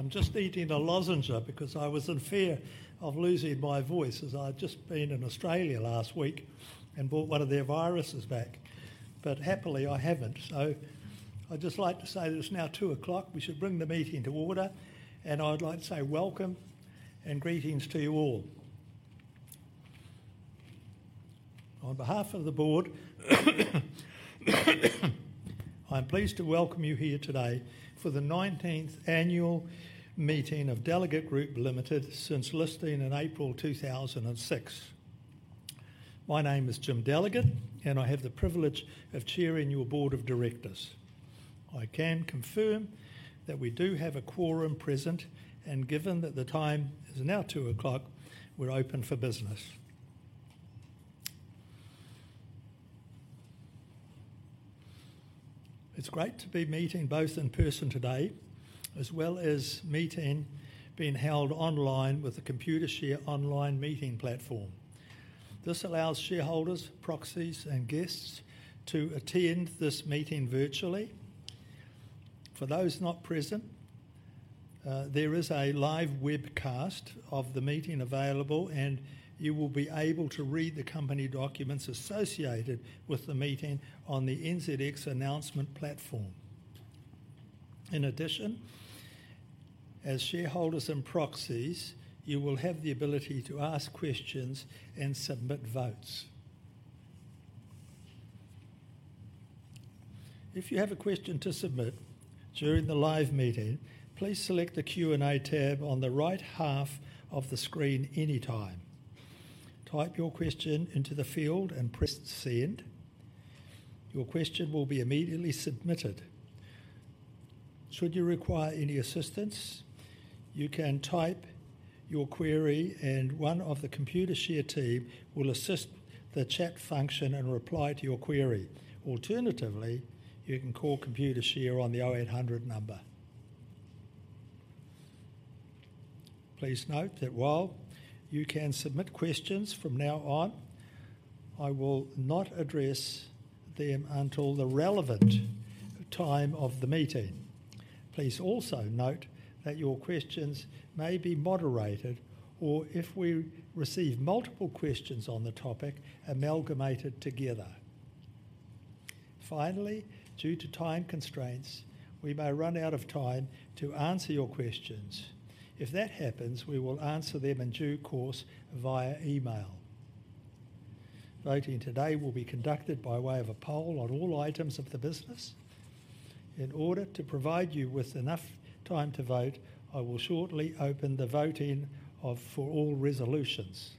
I'm just eating a lozenge because I was in fear of losing my voice as I'd just been in Australia last week and brought one of their viruses back. But happily, I haven't. So I'd just like to say that it's now 2:00 P.M. We should bring the meeting to order. And I'd like to say welcome and greetings to you all. On behalf of the board, I'm pleased to welcome you here today for the 19th Annual Meeting of Delegat Group Limited since listing in April 2006. My name is Jim Delegat, and I have the privilege of chairing your board of directors. I can confirm that we do have a quorum present, and given that the time is now 2:00 P.M., we're open for business. It's great to be meeting both in person today, as well as meeting being held online with the Computershare Online Meeting Platform. This allows shareholders, proxies, and guests to attend this meeting virtually. For those not present, there is a live webcast of the meeting available, and you will be able to read the company documents associated with the meeting on the NZX announcement platform. In addition, as shareholders and proxies, you will have the ability to ask questions and submit votes. If you have a question to submit during the live meeting, please select the Q&A tab on the right half of the screen anytime. Type your question into the field and press Send. Your question will be immediately submitted. Should you require any assistance, you can type your query, and one of the Computershare team will assist the chat function and reply to your query. Alternatively, you can call Computershare on the 0800 number. Please note that while you can submit questions from now on, I will not address them until the relevant time of the meeting. Please also note that your questions may be moderated, or if we receive multiple questions on the topic, amalgamated together. Finally, due to time constraints, we may run out of time to answer your questions. If that happens, we will answer them in due course via email. Voting today will be conducted by way of a poll on all items of the business. In order to provide you with enough time to vote, I will shortly open the voting for all resolutions.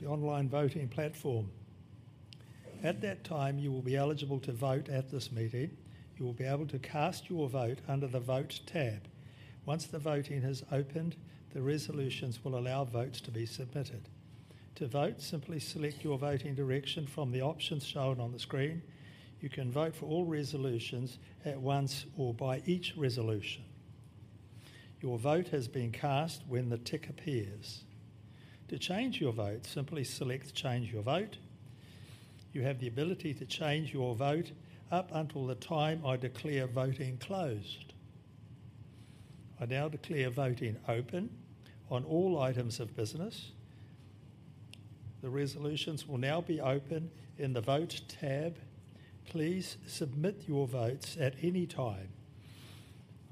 The online voting platform. At that time, you will be eligible to vote at this meeting. You will be able to cast your vote under the Vote tab. Once the voting has opened, the resolutions will allow votes to be submitted. To vote, simply select your voting direction from the options shown on the screen. You can vote for all resolutions at once or by each resolution. Your vote has been cast when the tick appears. To change your vote, simply select Change Your Vote. You have the ability to change your vote up until the time I declare voting closed. I now declare voting open on all items of business. The resolutions will now be open in the Vote tab. Please submit your votes at any time.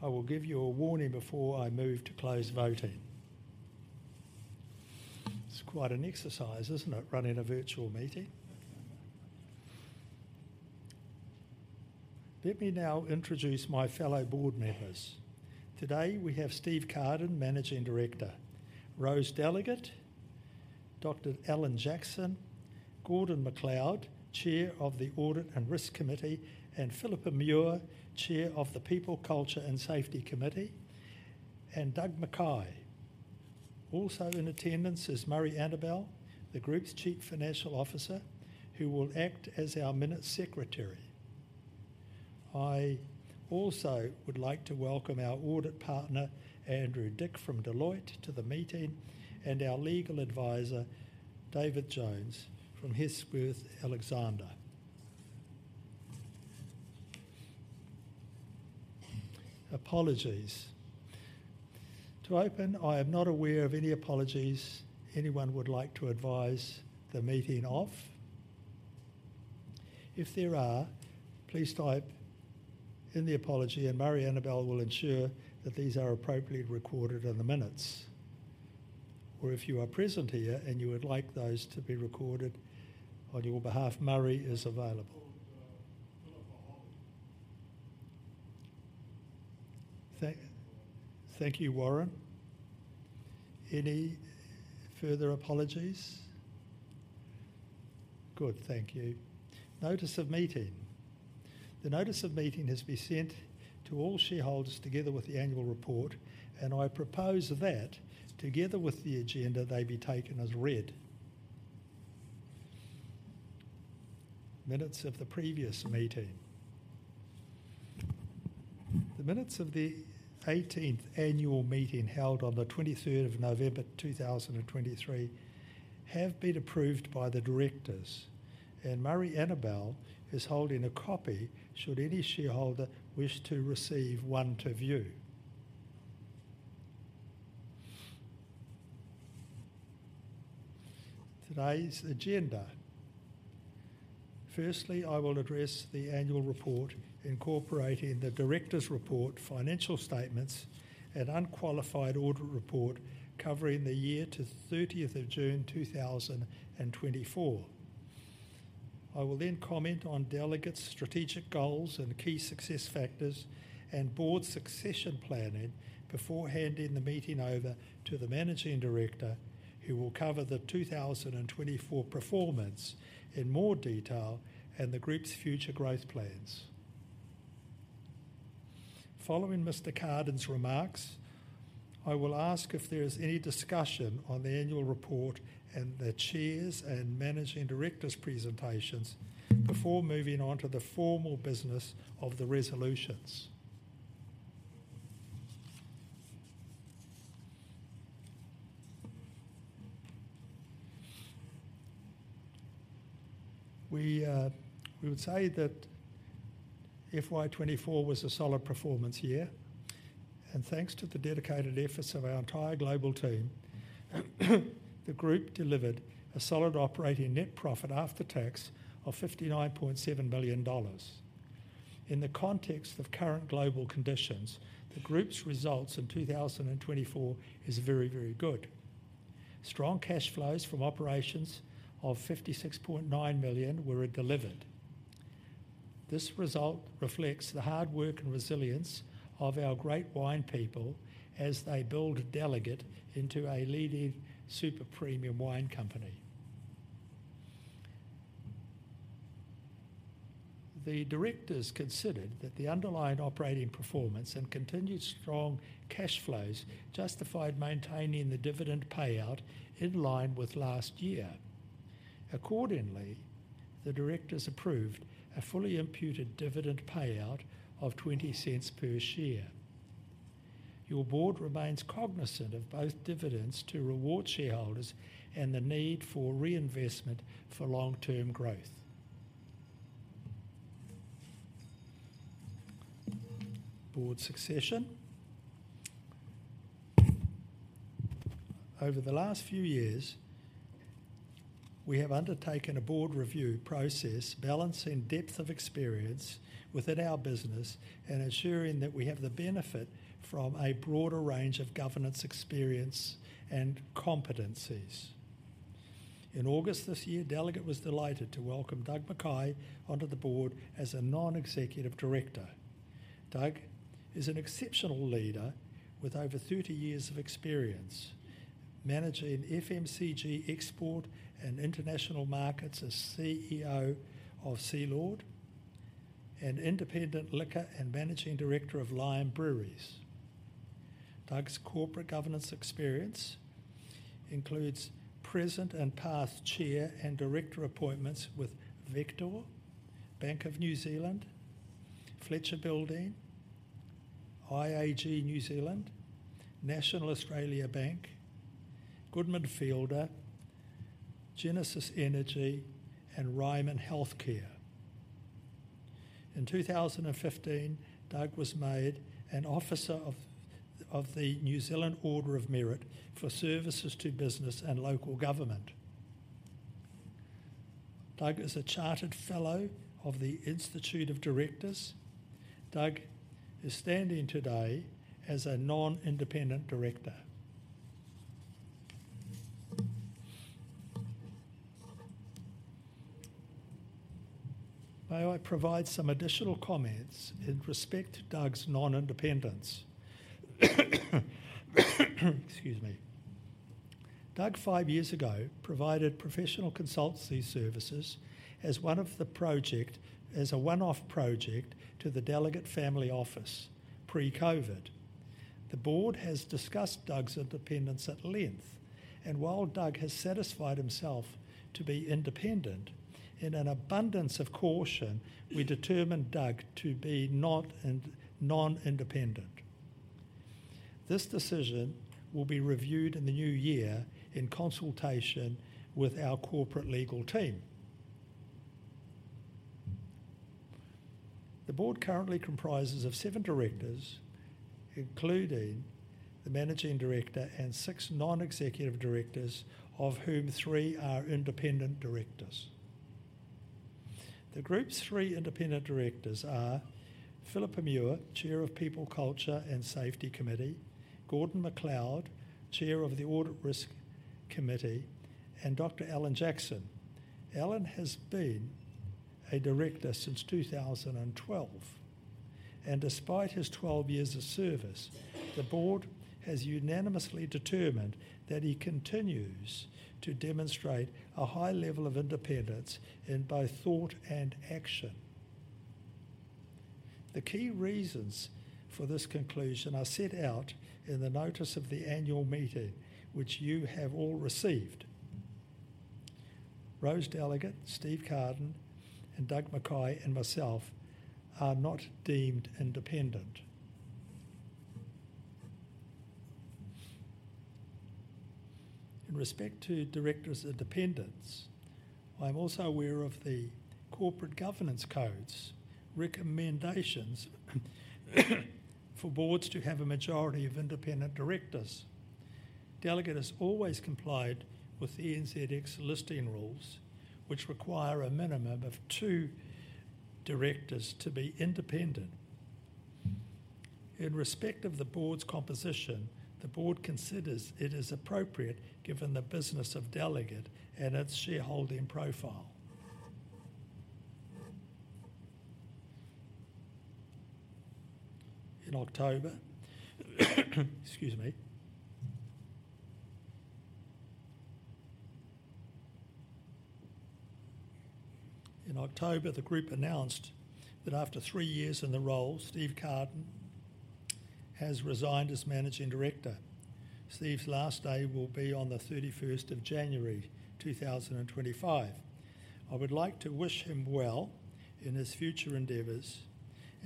I will give you a warning before I move to close voting. It's quite an exercise, isn't it, running a virtual meeting? Let me now introduce my fellow board members. Today, we have Steven Carden, managing director, Rosemari Delegat, Dr. Alan Jackson, Gordon MacLeod, Chair of the Audit and Risk Committee, and Phillipa Muir, Chair of the People, Culture, and Safety Committee, and Doug McKay. Also in attendance is Murray Annabell, the group's Chief Financial Officer, who will act as our minutes secretary. I also would like to welcome our audit partner, Andrew Dick from Deloitte, to the meeting, and our legal advisor, David Jones, from Heimsath Alexander. Apologies. To open, I am not aware of any apologies anyone would like to advise the meeting of. If there are, please type in the apology, and Murray Annabell will ensure that these are appropriately recorded in the minutes. Or if you are present here and you would like those to be recorded on your behalf, Murray is available. Thank you, Warren. Any further apologies? Good, thank you. Notice of meeting. The notice of meeting has been sent to all shareholders together with the annual report, and I propose that, together with the agenda, they be taken as read. Minutes of the previous meeting. The minutes of the 18th Annual Meeting held on 23 November 2023 have been approved by the directors, and Murray Annabell is holding a copy should any shareholder wish to receive one to view. Today's agenda. Firstly, I will address the annual report incorporating the director's report, financial statements, and unqualified audit report covering the year to 30 June 2024. I will then comment on Delegat's strategic goals and key success factors and board succession planning before handing the meeting over to the managing director, who will cover the 2024 performance in more detail and the group's future growth plans. Following Mr. Carden's remarks, I will ask if there is any discussion on the annual report and the chairs' and managing directors' presentations before moving on to the formal business of the resolutions. We would say that FY2024 was a solid performance year, and thanks to the dedicated efforts of our entire global team, the group delivered a solid operating net profit after tax of 59.7 million dollars. In the context of current global conditions, the group's results in 2024 are very, very good. Strong cash flows from operations of 56.9 million were delivered. This result reflects the hard work and resilience of our great wine people as they build Delegat into a leading super premium wine company. The directors considered that the underlying operating performance and continued strong cash flows justified maintaining the dividend payout in line with last year. Accordingly, the directors approved a fully imputed dividend payout of 0.20 per share. Your board remains cognizant of both dividends to reward shareholders and the need for reinvestment for long-term growth. Board succession. Over the last few years, we have undertaken a board review process balancing depth of experience within our business and ensuring that we have the benefit from a broader range of governance experience and competencies. In August this year, Delegat was delighted to welcome Doug McKay onto the board as a non-executive director. Doug is an exceptional leader with over 30 years of experience, managing FMCG export and international markets as CEO of Sealord and Independent Liquor and managing director of Lion Breweries. Doug's corporate governance experience includes present and past chair and director appointments with Vector, Bank of New Zealand, Fletcher Building, IAG New Zealand, National Australia Bank, Goodman Fielder, Genesis Energy, and Ryman Healthcare. In 2015, Doug was made an officer of the New Zealand Order of Merit for Services to Business and Local Government. Doug is a Chartered Fellow of the Institute of Directors. Doug is standing today as a non-independent director. May I provide some additional comments in respect to Doug's non-independence? Excuse me. Doug, five years ago, provided professional consultancy services as one of the projects, as a one-off project to the Delegat Family Office pre-COVID. The board has discussed Doug's independence at length, and while Doug has satisfied himself to be independent, in an abundance of caution, we determined Doug to be non-independent. This decision will be reviewed in the new year in consultation with our corporate legal team. The board currently comprises of seven directors, including the managing director and six non-executive directors, of whom three are independent directors. The group's three independent directors are Philippa Muir, Chair of People, Culture, and Safety Committee, Gordon MacLeod, Chair of the Audit Risk Committee, and Dr. Alan Jackson. Alan has been a director since 2012, and despite his 12 years of service, the board has unanimously determined that he continues to demonstrate a high level of independence in both thought and action. The key reasons for this conclusion are set out in the notice of the annual meeting, which you have all received. Rosemari Delegat, Steve Carden, and Doug McKay and myself are not deemed independent. In respect to directors' independence, I'm also aware of the corporate governance code's recommendations for boards to have a majority of independent directors. Delegat has always complied with the NZX listing rules, which require a minimum of two directors to be independent. In respect of the board's composition, the board considers it is appropriate given the business of Delegat and its shareholding profile. In October, the group announced that after three years in the role, Steve Carden has resigned as managing director. Steve's last day will be on the 31 January 2025. I would like to wish him well in his future endeavors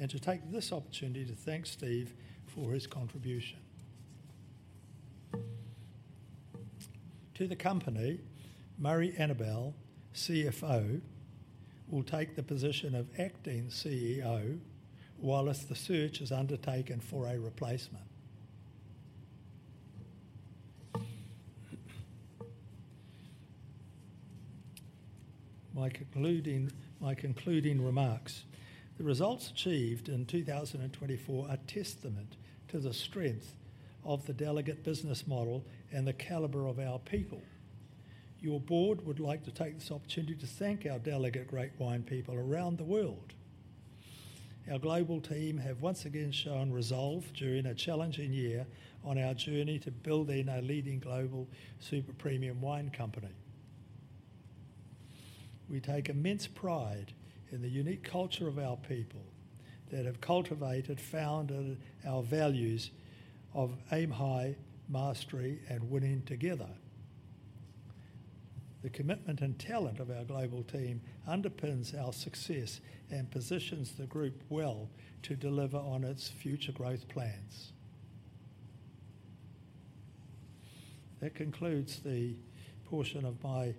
and to take this opportunity to thank Steve for his contribution to the company. Murray Annabell, CFO, will take the position of acting CEO while the search is undertaken for a replacement. My concluding remarks. The results achieved in 2024 are a testament to the strength of the Delegat business model and the caliber of our people. Your board would like to take this opportunity to thank our Delegat Great Wine People around the world. Our global team have once again shown resolve during a challenging year on our journey to building a leading global super premium wine company. We take immense pride in the unique culture of our people that have cultivated, founded our values of aim high, mastery, and winning together. The commitment and talent of our global team underpins our success and positions the group well to deliver on its future growth plans. That concludes the portion of my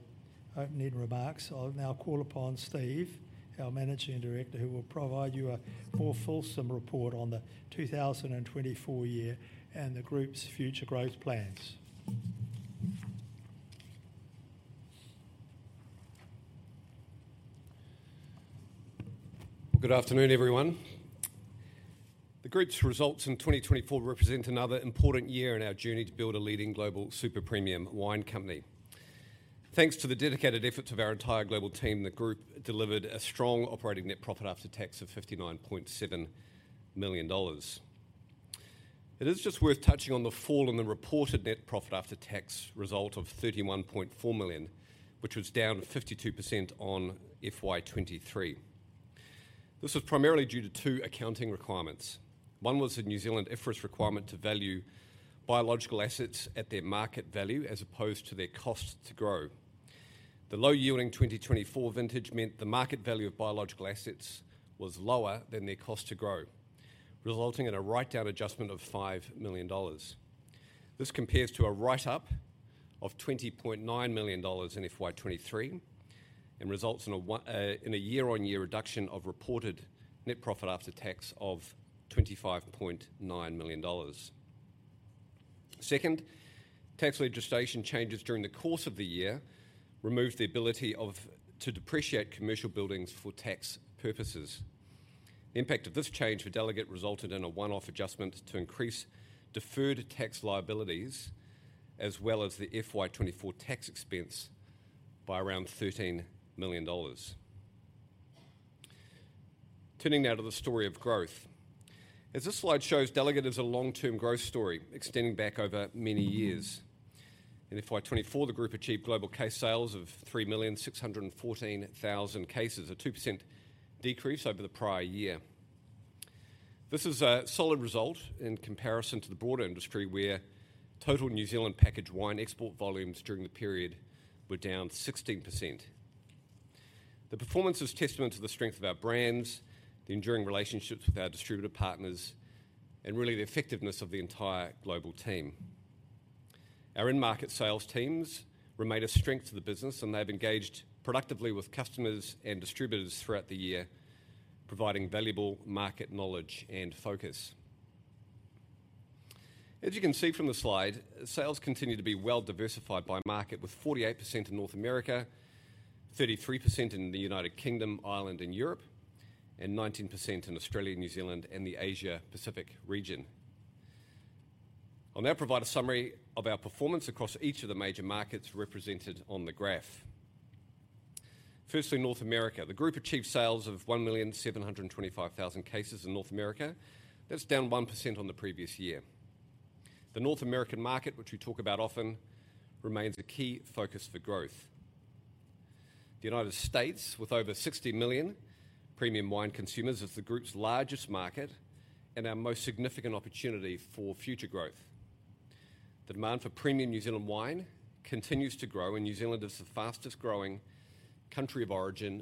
opening remarks. I'll now call upon Steve, our managing director, who will provide you a more fulsome report on the 2024 year and the group's future growth plans. Good afternoon, everyone. The group's results in 2024 represent another important year in our journey to build a leading global super premium wine company. Thanks to the dedicated efforts of our entire global team, the group delivered a strong operating net profit after tax of 59.7 million dollars. It is just worth touching on the fall in the reported net profit after tax result of 31.4 million, which was down 52% on FY2023. This was primarily due to two accounting requirements. One was a New Zealand IFRS requirement to value biological assets at their market value as opposed to their cost to grow. The low-yielding 2024 vintage meant the market value of biological assets was lower than their cost to grow, resulting in a write-down adjustment of 5 million dollars. This compares to a write-up of 20.9 million dollars in FY2023 and results in a year-on-year reduction of reported net profit after tax of 25.9 million dollars. Second, tax legislation changes during the course of the year removed the ability to depreciate commercial buildings for tax purposes. The impact of this change for Delegat resulted in a one-off adjustment to increase deferred tax liabilities as well as the FY2024 tax expense by around $13 million. Turning now to the story of growth. As this slide shows, Delegat is a long-term growth story extending back over many years. In FY2024, the group achieved global case sales of 3,614,000 cases, a 2% decrease over the prior year. This is a solid result in comparison to the broader industry where total New Zealand packaged wine export volumes during the period were down 16%. The performance is a testament to the strength of our brands, the enduring relationships with our distributor partners, and really the effectiveness of the entire global team. Our in-market sales teams remain a strength of the business, and they've engaged productively with customers and distributors throughout the year, providing valuable market knowledge and focus. As you can see from the slide, sales continue to be well diversified by market with 48% in North America, 33% in the United Kingdom, Ireland, and Europe, and 19% in Australia, New Zealand, and the Asia-Pacific region. I'll now provide a summary of our performance across each of the major markets represented on the graph. Firstly, North America. The group achieved sales of 1,725,000 cases in North America. That's down 1% on the previous year. The North American market, which we talk about often, remains a key focus for growth. The United States, with over 60 million premium wine consumers, is the group's largest market and our most significant opportunity for future growth. The demand for premium New Zealand wine continues to grow, and New Zealand is the fastest-growing country of origin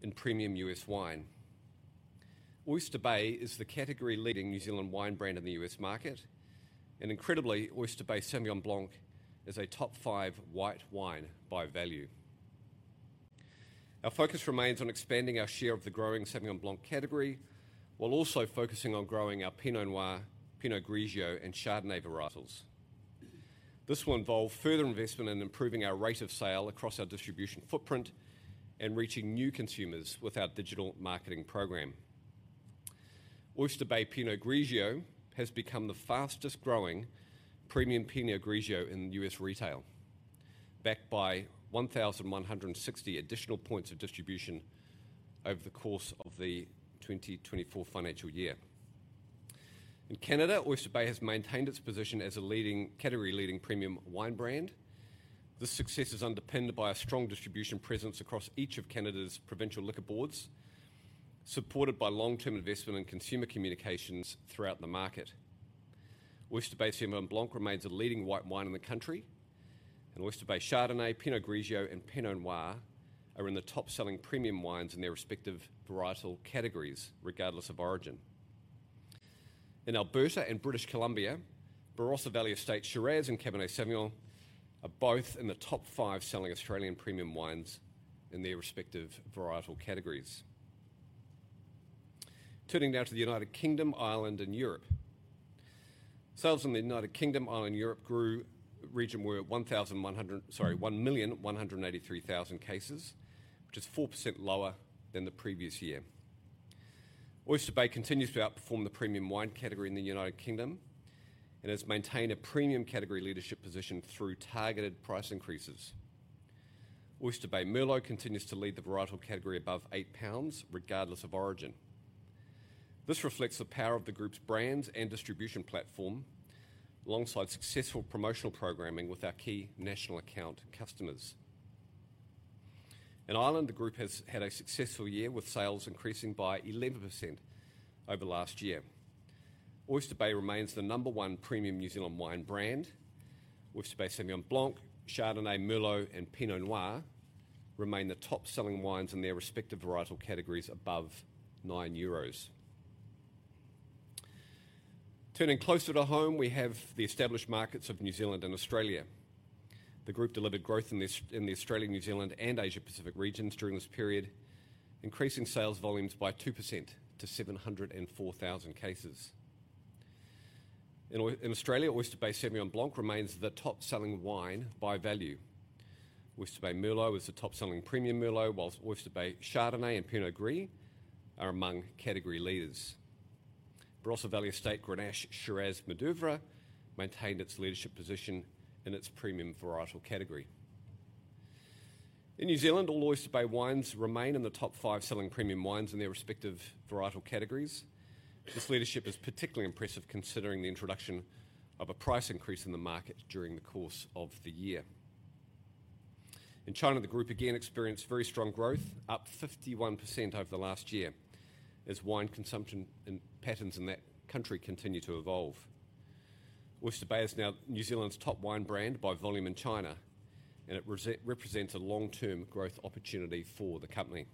in premium U.S. wine. Oyster Bay is the category-leading New Zealand wine brand in the U.S. market, and incredibly, Oyster Bay Sauvignon Blanc is a top five white wine by value. Our focus remains on expanding our share of the growing Sauvignon Blanc category while also focusing on growing our Pinot Noir, Pinot Grigio, and Chardonnay varietals. This will involve further investment in improving our rate of sale across our distribution footprint and reaching new consumers with our digital marketing program. Oyster Bay Pinot Grigio has become the fastest-growing premium Pinot Grigio in US retail, backed by 1,160 additional points of distribution over the course of the 2024 financial year. In Canada, Oyster Bay has maintained its position as a category-leading premium wine brand. This success is underpinned by a strong distribution presence across each of Canada's provincial liquor boards, supported by long-term investment in consumer communications throughout the market. Oyster Bay Sauvignon Blanc remains a leading white wine in the country, and Oyster Bay Chardonnay, Pinot Grigio, and Pinot Noir are in the top-selling premium wines in their respective varietal categories, regardless of origin. In Alberta and British Columbia, Barossa Valley Estate Grenache Shiraz Mourvèdre and Cabernet Sauvignon are both in the top five selling Australian premium wines in their respective varietal categories. Turning now to the United Kingdom, Ireland, and Europe. Sales in the United Kingdom, Ireland, and Europe grew to 1,183,000 cases, which is 4% lower than the previous year. Oyster Bay continues to outperform the premium wine category in the United Kingdom and has maintained a premium category leadership position through targeted price increases. Oyster Bay Merlot continues to lead the varietal category above 8 pounds, regardless of origin. This reflects the power of the group's brands and distribution platform alongside successful promotional programming with our key national account customers. In Ireland, the group has had a successful year with sales increasing by 11% over last year. Oyster Bay remains the number one premium New Zealand wine brand. Oyster Bay Sauvignon Blanc, Chardonnay, Merlot, and Pinot Noir remain the top-selling wines in their respective varietal categories above 9 euros. Turning closer to home, we have the established markets of New Zealand and Australia. The group delivered growth in the Australia, New Zealand and Asia-Pacific regions during this period, increasing sales volumes by 2% to 704,000 cases. In Australia, Oyster Bay Sauvignon Blanc remains the top-selling wine by value. Oyster Bay Merlot is the top-selling premium Merlot, while Oyster Bay Chardonnay and Pinot Gris are among category leaders. Barossa Valley Estate Grenache Shiraz Mourvèdre maintained its leadership position in its premium varietal category. In New Zealand, all Oyster Bay wines remain in the top five selling premium wines in their respective varietal categories. This leadership is particularly impressive considering the introduction of a price increase in the market during the course of the year. In China, the group again experienced very strong growth, up 51% over the last year, as wine consumption patterns in that country continue to evolve. Oyster Bay is now New Zealand's top wine brand by volume in China, and it represents a long-term growth opportunity for the company.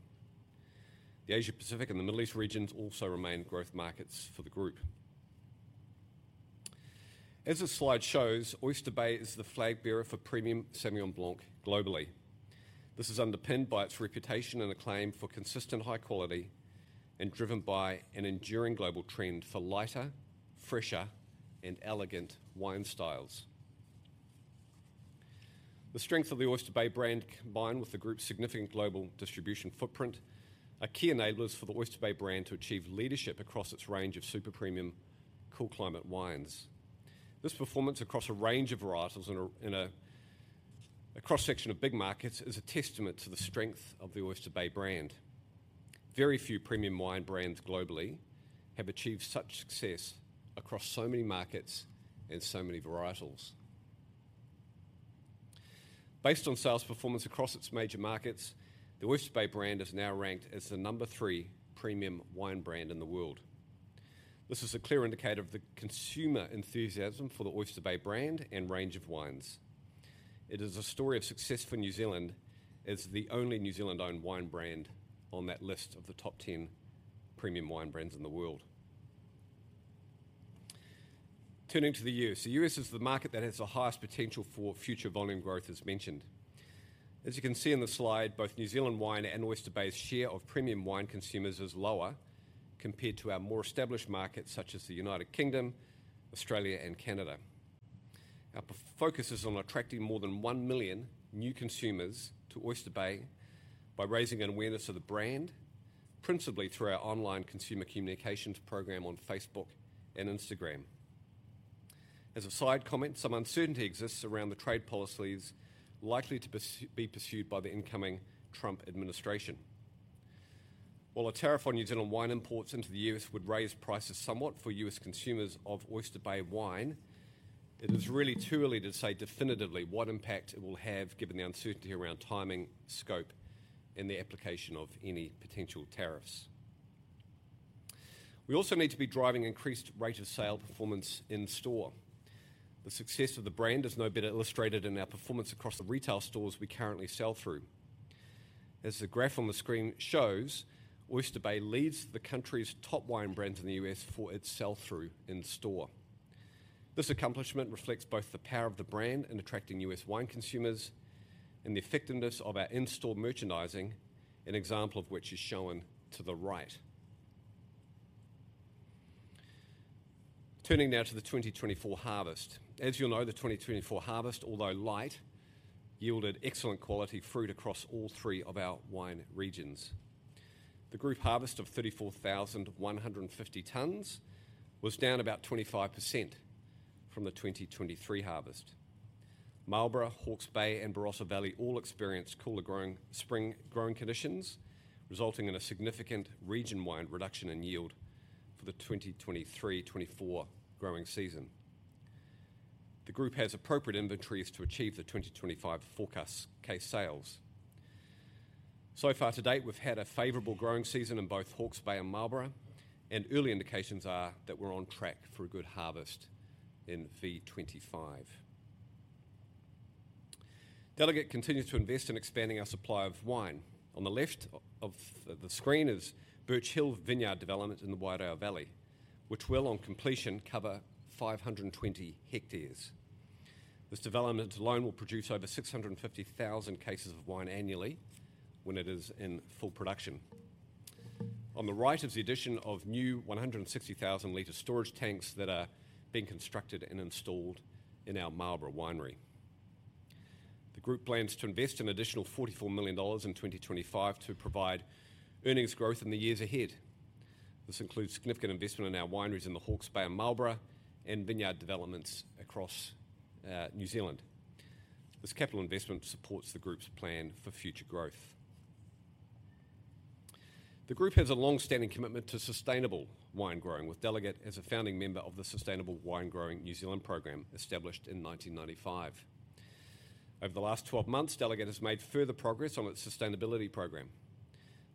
The Asia-Pacific and the Middle East regions also remain growth markets for the group. As the slide shows, Oyster Bay is the flag bearer for premium Sauvignon Blanc globally. This is underpinned by its reputation and acclaim for consistent high quality and driven by an enduring global trend for lighter, fresher, and elegant wine styles. The strength of the Oyster Bay brand, combined with the group's significant global distribution footprint, are key enablers for the Oyster Bay brand to achieve leadership across its range of super premium cool climate wines. This performance across a range of varietals in a cross-section of big markets is a testament to the strength of the Oyster Bay brand. Very few premium wine brands globally have achieved such success across so many markets and so many varietals. Based on sales performance across its major markets, the Oyster Bay brand is now ranked as the number three premium wine brand in the world. This is a clear indicator of the consumer enthusiasm for the Oyster Bay brand and range of wines. It is a story of success for New Zealand as the only New Zealand-owned wine brand on that list of the top 10 premium wine brands in the world. Turning to the U.S., the U.S. is the market that has the highest potential for future volume growth, as mentioned. As you can see in the slide, both New Zealand wine and Oyster Bay's share of premium wine consumers is lower compared to our more established markets such as the United Kingdom, Australia, and Canada. Our focus is on attracting more than one million new consumers to Oyster Bay by raising an awareness of the brand, principally through our online consumer communications program on Facebook and Instagram. As a side comment, some uncertainty exists around the trade policies likely to be pursued by the incoming Trump administration. While a tariff on New Zealand wine imports into the U.S. would raise prices somewhat for U.S. consumers of Oyster Bay wine, it is really too early to say definitively what impact it will have given the uncertainty around timing, scope, and the application of any potential tariffs. We also need to be driving increased rate of sale performance in store. The success of the brand is no better illustrated in our performance across the retail stores we currently sell through. As the graph on the screen shows, Oyster Bay leads the country's top wine brands in the U.S. for its sell-through in store. This accomplishment reflects both the power of the brand in attracting U.S. wine consumers and the effectiveness of our in-store merchandising, an example of which is shown to the right. Turning now to the 2024 harvest. As you'll know, the 2024 harvest, although light, yielded excellent quality fruit across all three of our wine regions. The group harvest of 34,150 tons was down about 25% from the 2023 harvest. Marlborough, Hawke's Bay, and Barossa Valley all experienced cooler growing conditions, resulting in a significant region-wide reduction in yield for the 2023-2024 growing season. The group has appropriate inventories to achieve the 2025 forecast case sales. So far to date, we've had a favorable growing season in both Hawke's Bay and Marlborough, and early indications are that we're on track for a good harvest in [2025]. Delegat continues to invest in expanding our supply of wine. On the left of the screen is Birch Hill Vineyard development in the Wairau Valley, which will, on completion, cover 520ha. This development alone will produce over 650,000 cases of wine annually when it is in full production. On the right is the addition of new 160,000-liter storage tanks that are being constructed and installed in our Marlborough winery. The group plans to invest an additional 44 million dollars in 2025 to provide earnings growth in the years ahead. This includes significant investment in our wineries in the Hawke's Bay and Marlborough and vineyard developments across New Zealand. This capital investment supports the group's plan for future growth. The group has a long-standing commitment to sustainable wine growing, with Delegat as a founding member of the Sustainable Winegrowing New Zealand program established in 1995. Over the last 12 months, Delegat has made further progress on its sustainability program.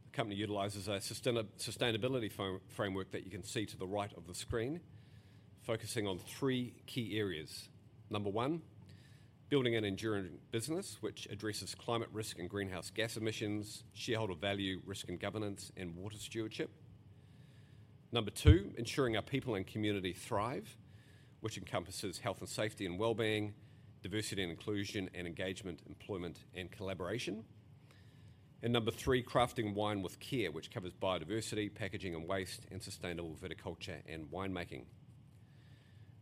The company utilizes a sustainability framework that you can see to the right of the screen, focusing on three key areas. Number one, building an enduring business, which addresses climate risk and greenhouse gas emissions, shareholder value, risk and governance, and water stewardship. Number two, ensuring our people and community thrive, which encompasses health and safety and well-being, diversity and inclusion, and engagement, employment, and collaboration. Number three, crafting wine with care, which covers biodiversity, packaging and waste, and sustainable viticulture and winemaking.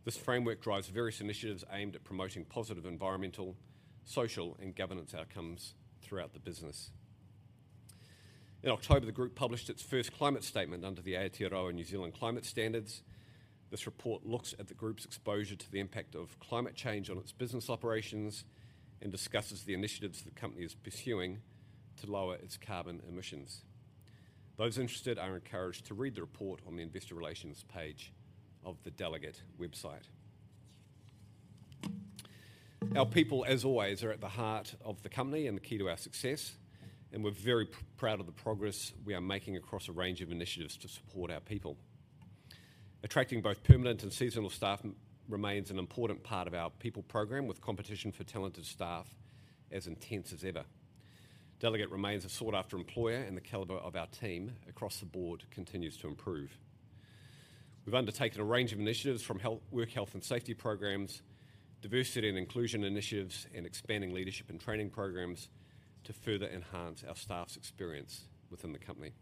This framework drives various initiatives aimed at promoting positive environmental, social, and governance outcomes throughout the business. In October, the group published its first climate statement under the Aotearoa New Zealand Climate Standards. This report looks at the group's exposure to the impact of climate change on its business operations and discusses the initiatives the company is pursuing to lower its carbon emissions. Those interested are encouraged to read the report on the investor relations page of the Delegat website. Our people, as always, are at the heart of the company and the key to our success, and we're very proud of the progress we are making across a range of initiatives to support our people. Attracting both permanent and seasonal staff remains an important part of our people program, with competition for talented staff as intense as ever. Delegat remains a sought-after employer, and the caliber of our team across the board continues to improve. We've undertaken a range of initiatives from work health and safety programs, diversity and inclusion initiatives, and expanding leadership and training programs to further enhance our staff's experience within the company.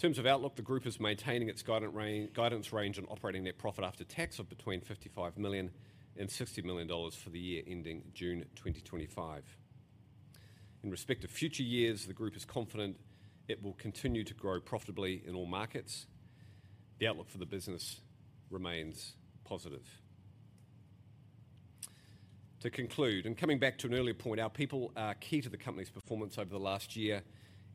In terms of outlook, the group is maintaining its guidance range and operating net profit after tax of between 55 and 60 million for the year ending June 2025. In respect of future years, the group is confident it will continue to grow profitably in all markets. The outlook for the business remains positive. To conclude, and coming back to an earlier point, our people are key to the company's performance over the last year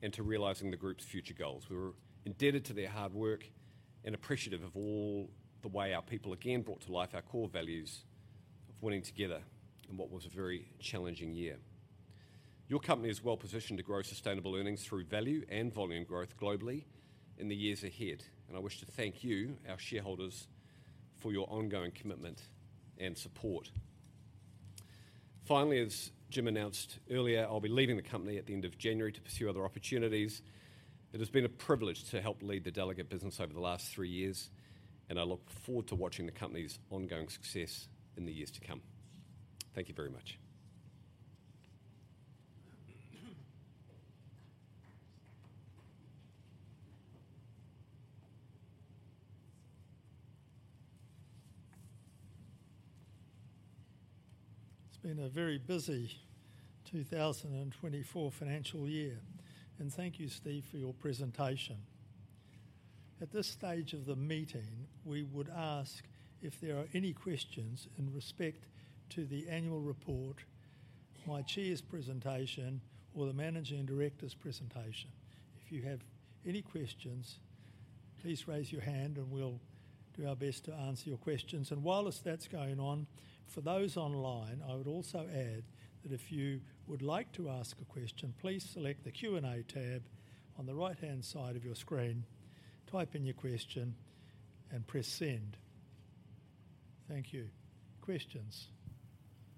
and to realizing the group's future goals. We were indebted to their hard work and appreciative of all the ways our people again brought to life our core values of winning together in what was a very challenging year. Your company is well positioned to grow sustainable earnings through value and volume growth globally in the years ahead, and I wish to thank you, our shareholders, for your ongoing commitment and support. Finally, as Jim announced earlier, I'll be leaving the company at the end of January to pursue other opportunities. It has been a privilege to help lead the Delegat business over the last three years, and I look forward to watching the company's ongoing success in the years to come. Thank you very much. It's been a very busy 2024 financial year, and thank you, Steve, for your presentation. At this stage of the meeting, we would ask if there are any questions in respect to the annual report, my chair's presentation, or the Managing Director's presentation. If you have any questions, please raise your hand, and we'll do our best to answer your questions. And while that's going on, for those online, I would also add that if you would like to ask a question, please select the Q&A tab on the right-hand side of your screen, type in your question, and press send. Thank you. Questions?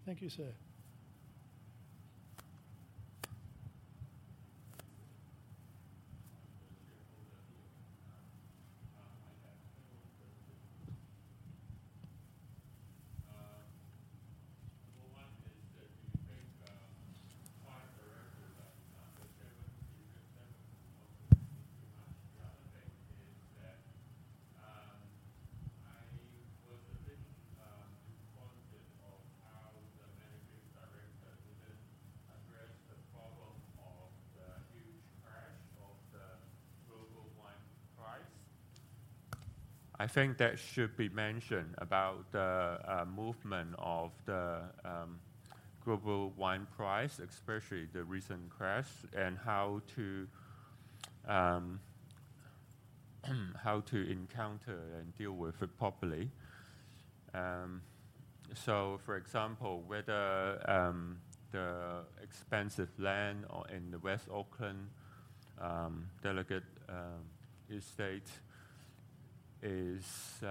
Thank you, sir. I'm just curious on that. I have several questions. Well, one is, do you think. Find the record that the 77% of the consumer? The other thing is that I was a bit disappointed of how the managing director didn't address the problem of the huge crash of the global wine price. I think that should be mentioned about the movement of the global wine price, especially the recent crash, and how to encounter and deal with it properly. So, for example, whether the expensive land in the West Auckland Delegat Estate is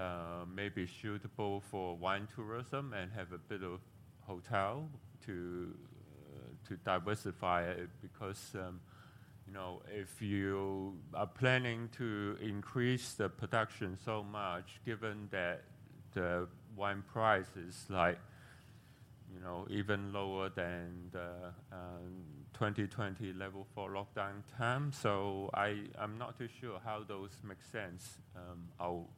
maybe suitable for wine tourism and have a bit of hotel to diversify it, because if you are planning to increase the production so much, given that the wine price is even lower than the 2020 level for lockdown time, so I'm not too sure how those make sense. I'll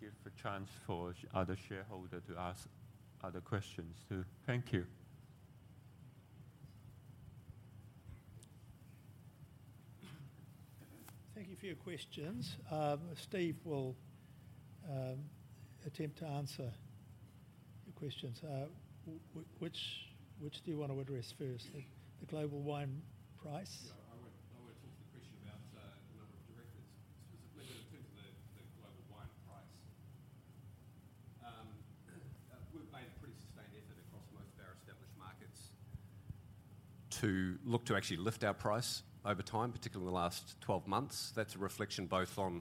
give a chance for other shareholders to ask other questions too. Thank you. Thank you for your questions. Steve will attempt to answer your questions. Which do you want to address first, the global wine price? I wanted to ask the question about the number of directors. Specifically, it depends on the global wine price. We've made a pretty sustained effort across most of our established markets to look to actually lift our price over time, particularly in the last 12 months. That's a reflection both on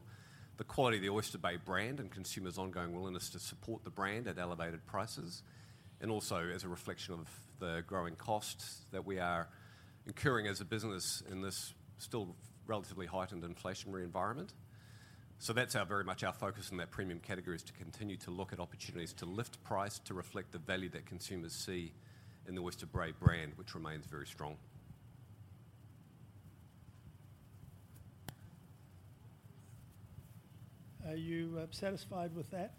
the quality of the Oyster Bay brand and consumers' ongoing willingness to support the brand at elevated prices, and also as a reflection of the growing costs that we are incurring as a business in this still relatively heightened inflationary environment. So that's very much our focus in that premium category is to continue to look at opportunities to lift price to reflect the value that consumers see in the Oyster Bay brand, which remains very strong. Are you satisfied with that?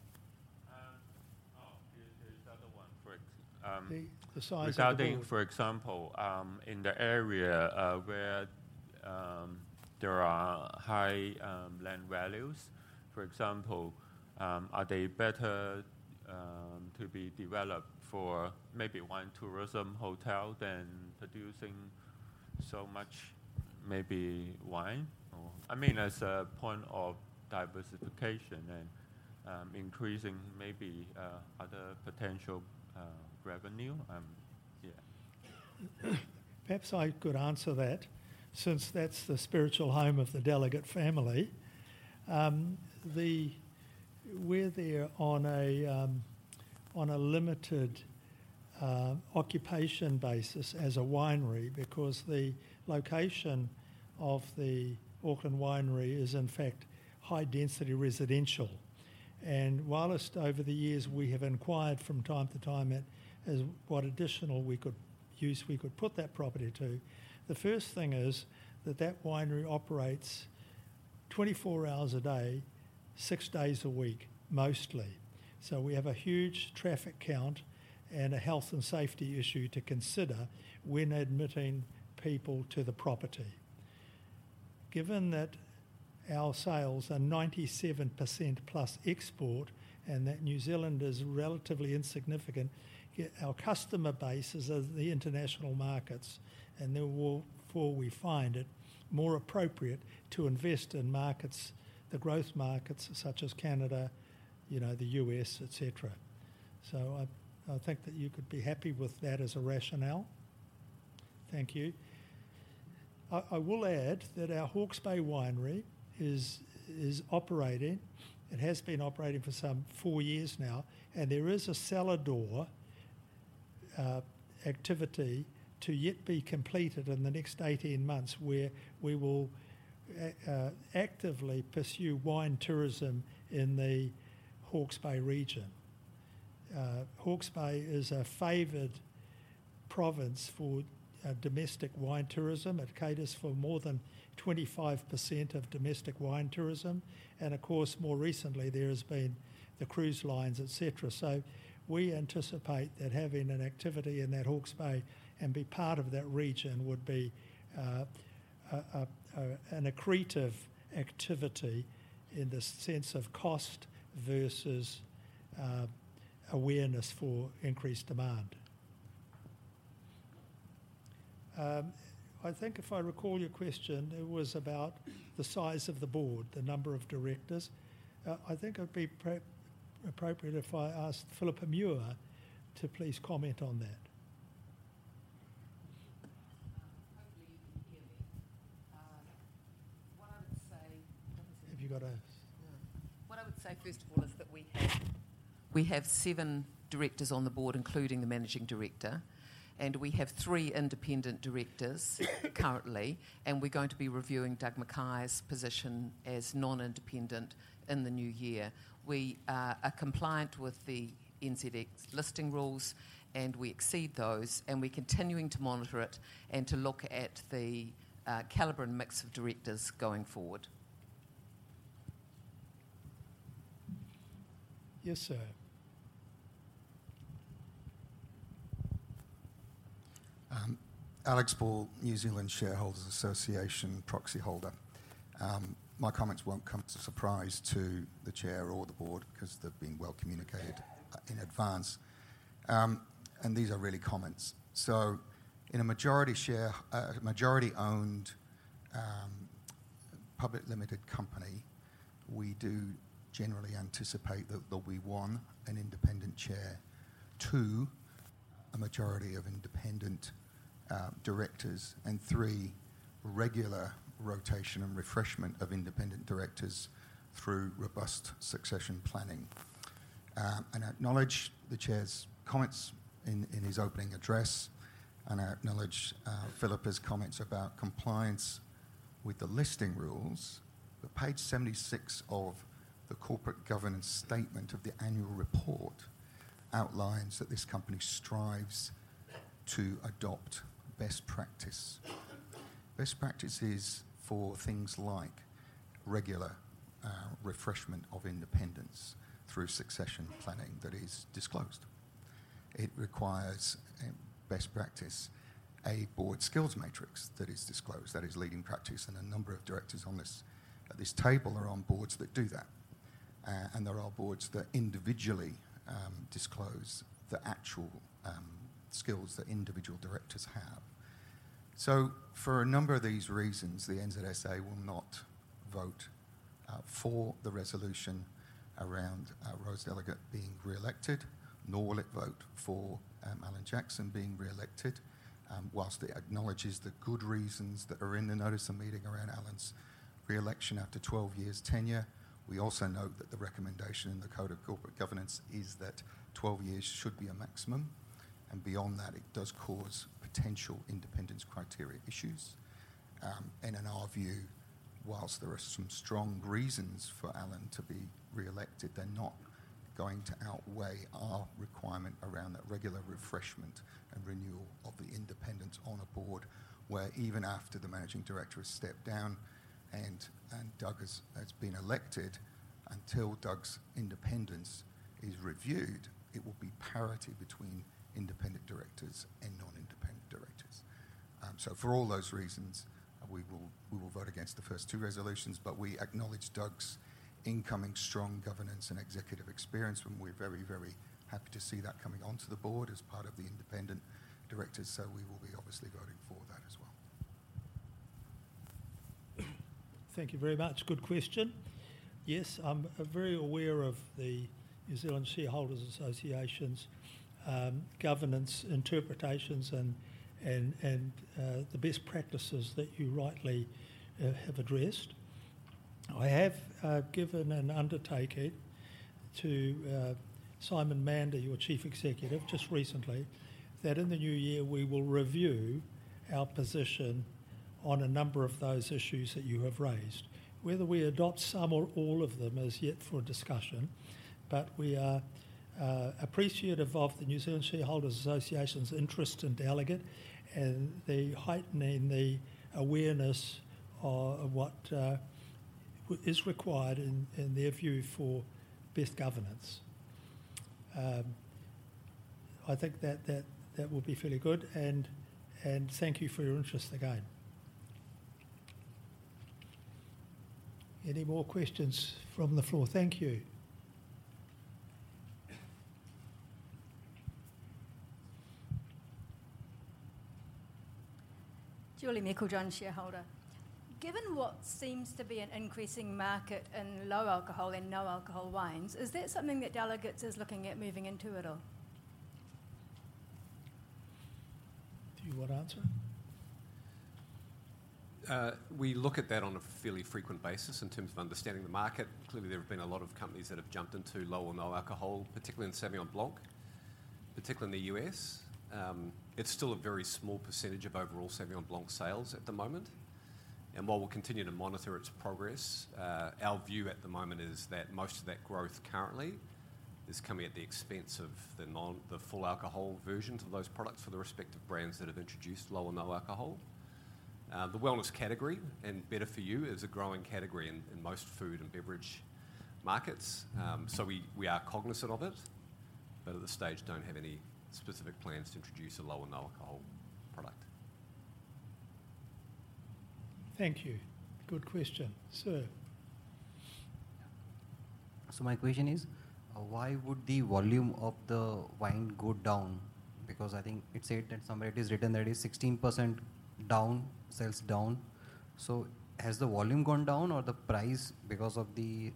Oh, here's the other one. The size of the wine. Regarding, for example, in the area where there are high land values, for example, are they better to be developed for maybe wine tourism hotel than producing so much maybe wine? I mean, as a point of diversification and increasing maybe other potential revenue. Yeah. Perhaps I could answer that since that's the spiritual home of the Delegat family. We're there on a limited occupation basis as a winery because the location of the Auckland winery is, in fact, high-density residential. While over the years we have inquired from time to time at what additional we could use, we could put that property to, the first thing is that that winery operates 24 hours a day, six days a week, mostly. So we have a huge traffic count and a health and safety issue to consider when admitting people to the property. Given that our sales are 97% plus export and that New Zealand is relatively insignificant, our customer base is the international markets, and therefore we find it more appropriate to invest in markets, the growth markets such as Canada, the U.S., etc. So I think that you could be happy with that as a rationale. Thank you. I will add that our Hawke's Bay winery is operating. It has been operating for some four years now, and there is a cellar door activity to yet be completed in the next 18 months where we will actively pursue wine tourism in the Hawke's Bay region. Hawke's Bay is a favored province for domestic wine tourism. It caters for more than 25% of domestic wine tourism, and of course, more recently, there has been the cruise lines, etc., so we anticipate that having an activity in that Hawke's Bay and be part of that region would be an accretive activity in the sense of cost versus awareness for increased demand. I think if I recall your question, it was about the size of the board, the number of directors. I think it would be appropriate if I asked Philippa Muir to please comment on that. Hopefully, you can hear me. What I would say, first of all, is that we have seven directors on the board, including the managing director, and we have three independent directors currently, and we're going to be reviewing Doug MacKay's position as non-independent in the new year. We are compliant with the NZX listing rules, and we exceed those, and we're continuing to monitor it and to look at the caliber and mix of directors going forward. Yes, sir. Alex Ball, New Zealand Shareholders Association, proxy holder. My comments won't come as a surprise to the chair or the board because they've been well communicated in advance, and these are really comments. In a majority-owned public limited company, we do generally anticipate that there'll be one, an independent chair, two, a majority of independent directors, and three, regular rotation and refreshment of independent directors through robust succession planning. I acknowledge the chair's comments in his opening address, and I acknowledge Philippa's comments about compliance with the listing rules. Page 76 of the corporate governance statement of the annual report outlines that this company strives to adopt best practice. Best practice is for things like regular refreshment of independence through succession planning that is disclosed. It requires best practice, a board skills matrix that is disclosed, that is leading practice, and a number of directors on this table are on boards that do that. There are boards that individually disclose the actual skills that individual directors have. So for a number of these reasons, the NZSA will not vote for the resolution around Rose Delegat being re-elected, nor will it vote for Alan Jackson being re-elected, while it acknowledges the good reasons that are in the notice of meeting around Alan's re-election after 12 years tenure. We also note that the recommendation in the Code of Corporate Governance is that 12 years should be a maximum, and beyond that, it does cause potential independence criteria issues. And in our view, while there are some strong reasons for Alan to be re-elected, they're not going to outweigh our requirement around that regular refreshment and renewal of the independence on a board where even after the managing director has stepped down and Doug has been elected, until Doug's independence is reviewed, it will be parity between independent directors and non-independent directors. So for all those reasons, we will vote against the first two resolutions, but we acknowledge Doug's incoming strong governance and executive experience, and we're very, very happy to see that coming onto the board as part of the independent directors. So we will be obviously voting for that as well. Thank you very much. Good question. Yes, I'm very aware of the New Zealand Shareholders Association's governance interpretations and the best practices that you rightly have addressed. I have given an undertaking to Simon Mander, your Chief Executive, just recently, that in the new year, we will review our position on a number of those issues that you have raised. Whether we adopt some or all of them is yet for discussion, but we are appreciative of the New Zealand Shareholders Association's interest in Delegat and the heightening awareness of what is required in their view for best governance. I think that that will be fairly good, and thank you for your interest again. Any more questions from the floor? Thank you. Julie Meiklejohn, shareholder. Given what seems to be an increasing market in low alcohol and no alcohol wines, is that something that Delegat is looking at moving into at all? Do you want to answer? We look at that on a fairly frequent basis in terms of understanding the market. Clearly, there have been a lot of companies that have jumped into low or no alcohol, particularly in Sauvignon Blanc, particularly in the U.S.. It's still a very small percentage of overall Sauvignon Blanc sales at the moment. While we'll continue to monitor its progress, our view at the moment is that most of that growth currently is coming at the expense of the full alcohol versions of those products for the respective brands that have introduced low or no alcohol. The wellness category, and better for you, is a growing category in most food and beverage markets. We are cognizant of it, but at this stage, don't have any specific plans to introduce a low or no alcohol product. Thank you. Good question. Sir? My question is, why would the volume of the wine go down? Because I think it said that somewhere it is written that it is 16% down, sales down. Has the volume gone down or the price, because of the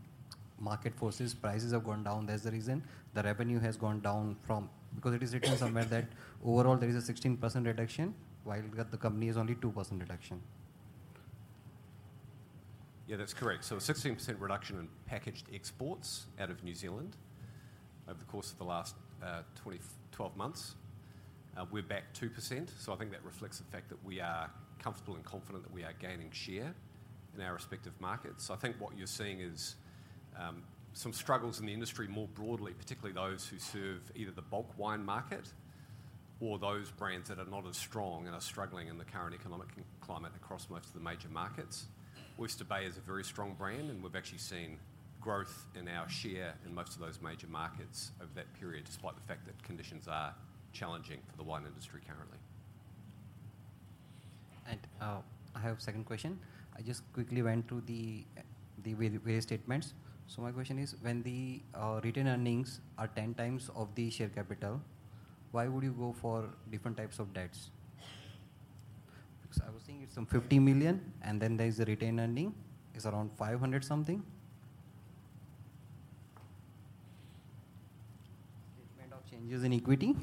market forces, prices have gone down? That's the reason the revenue has gone down from because it is written somewhere that overall there is a 16% reduction, while the company is only 2% reduction. Yeah, that's correct. So a 16% reduction in packaged exports out of New Zealand over the course of the last 12 months. We're back 2%. So I think that reflects the fact that we are comfortable and confident that we are gaining share in our respective markets. I think what you're seeing is some struggles in the industry more broadly, particularly those who serve either the bulk wine market or those brands that are not as strong and are struggling in the current economic climate across most of the major markets. Oyster Bay is a very strong brand, and we've actually seen growth in our share in most of those major markets over that period, despite the fact that conditions are challenging for the wine industry currently. I have a second question. I just quickly went through the various statements. My question is, when the retained earnings are 10 times of the share capital, why would you go for different types of debts? Because I was seeing it's some 50 million, and then there is the retained earning, it's around 500 something. Statement of changes in equity.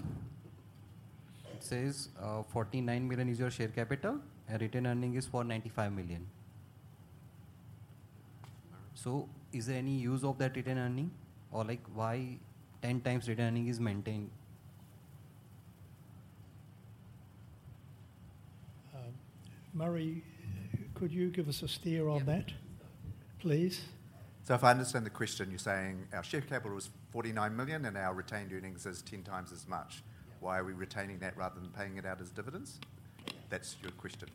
It says 49 million is your share capital, and retained earning is for 95 million. Is there any use of that retained earning? Or why 10 times retained earning is maintained? Murray, could you give us a steer on that, please? So if I understand the question, you're saying our share capital is 49 million and our retained earnings is 10 times as much. Why are we retaining that rather than paying it out as dividends? That's your question.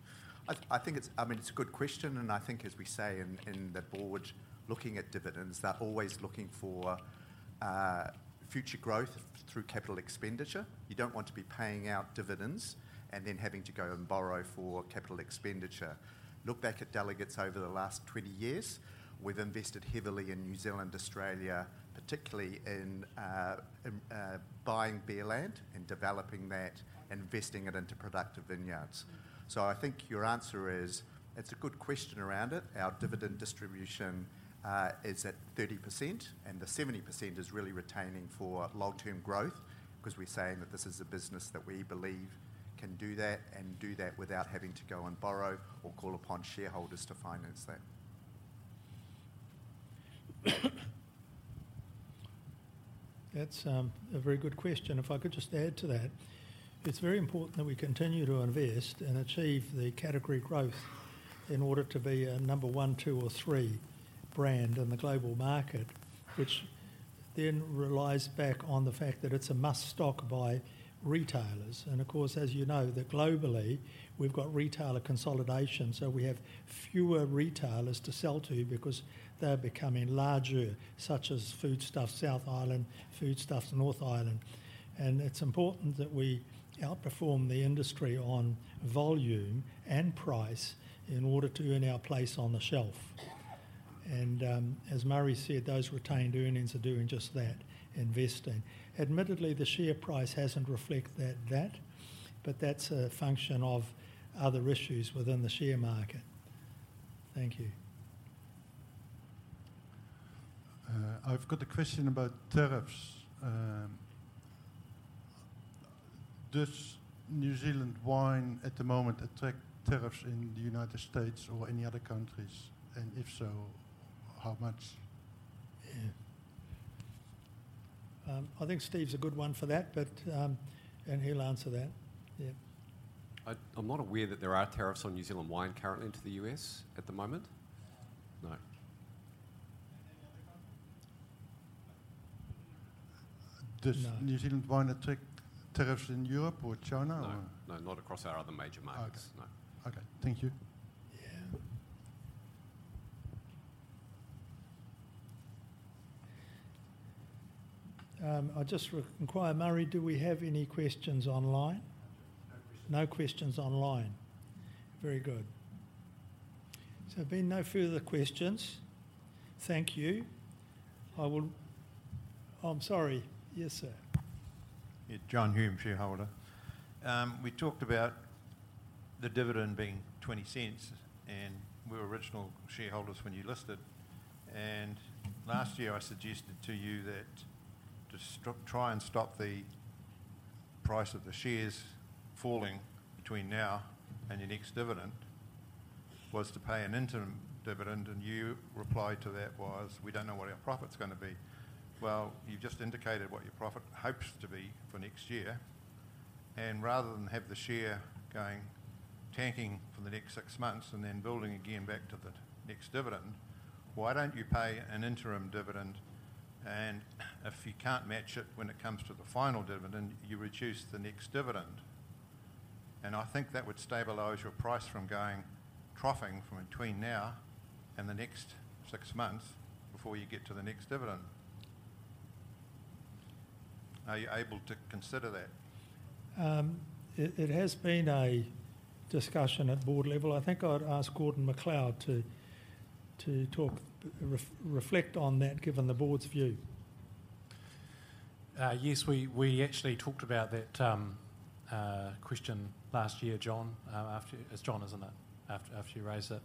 I mean, it's a good question, and I think, as we say in the board, looking at dividends, they're always looking for future growth through capital expenditure. You don't want to be paying out dividends and then having to go and borrow for capital expenditure. Look back at Delegat over the last 20 years. We've invested heavily in New Zealand, Australia, particularly in buying Barossa land and developing that and investing it into productive vineyards. So I think your answer is, it's a good question around it. Our dividend distribution is at 30%, and the 70% is really retaining for long-term growth because we're saying that this is a business that we believe can do that and do that without having to go and borrow or call upon shareholders to finance that. That's a very good question. If I could just add to that, it's very important that we continue to invest and achieve the category growth in order to be a number one, two, or three brand in the global market, which then relies back on the fact that it's a must stock by retailers. And of course, as you know, that globally we've got retailer consolidation, so we have fewer retailers to sell to because they're becoming larger, such as Foodstuffs South Island, Foodstuffs North Island. It's important that we outperform the industry on volume and price in order to earn our place on the shelf. As Murray said, those retained earnings are doing just that, investing. Admittedly, the share price hasn't reflected that, but that's a function of other issues within the share market. Thank you. I've got a question about tariffs. Does New Zealand wine at the moment attract tariffs in the United States or any other countries? And if so, how much? I think Steve's a good one for that, and he'll answer that. Yeah. I'm not aware that there are tariffs on New Zealand wine currently into the U.S. at the moment. No. Does New Zealand wine attract tariffs in Europe or China? No. No, not across our other major markets. Okay. Thank you. Yeah. I'll just inquire, Murray, do we have any questions online? No questions. No questions online. Very good. So there have been no further questions. Thank you. I'm sorry. Yes, sir. John Hulme, shareholder. We talked about the dividend being 0.20 and we were original shareholders when you listed. And last year, I suggested to you that to try and stop the price of the shares falling between now and your next dividend was to pay an interim dividend, and you replied to that was, "We don't know what our profit's going to be." Well, you've just indicated what your profit hopes to be for next year. And rather than have the share going tanking for the next six months and then building again back to the next dividend, why don't you pay an interim dividend? And if you can't match it when it comes to the final dividend, you reduce the next dividend. I think that would stabilize your price from troughing from between now and the next six months before you get to the next dividend. Are you able to consider that? It has been a discussion at board level. I think I'd ask Gordon MacLeod to reflect on that, given the board's view. Yes, we actually talked about that question last year, John, as John, isn't it, after you raised it?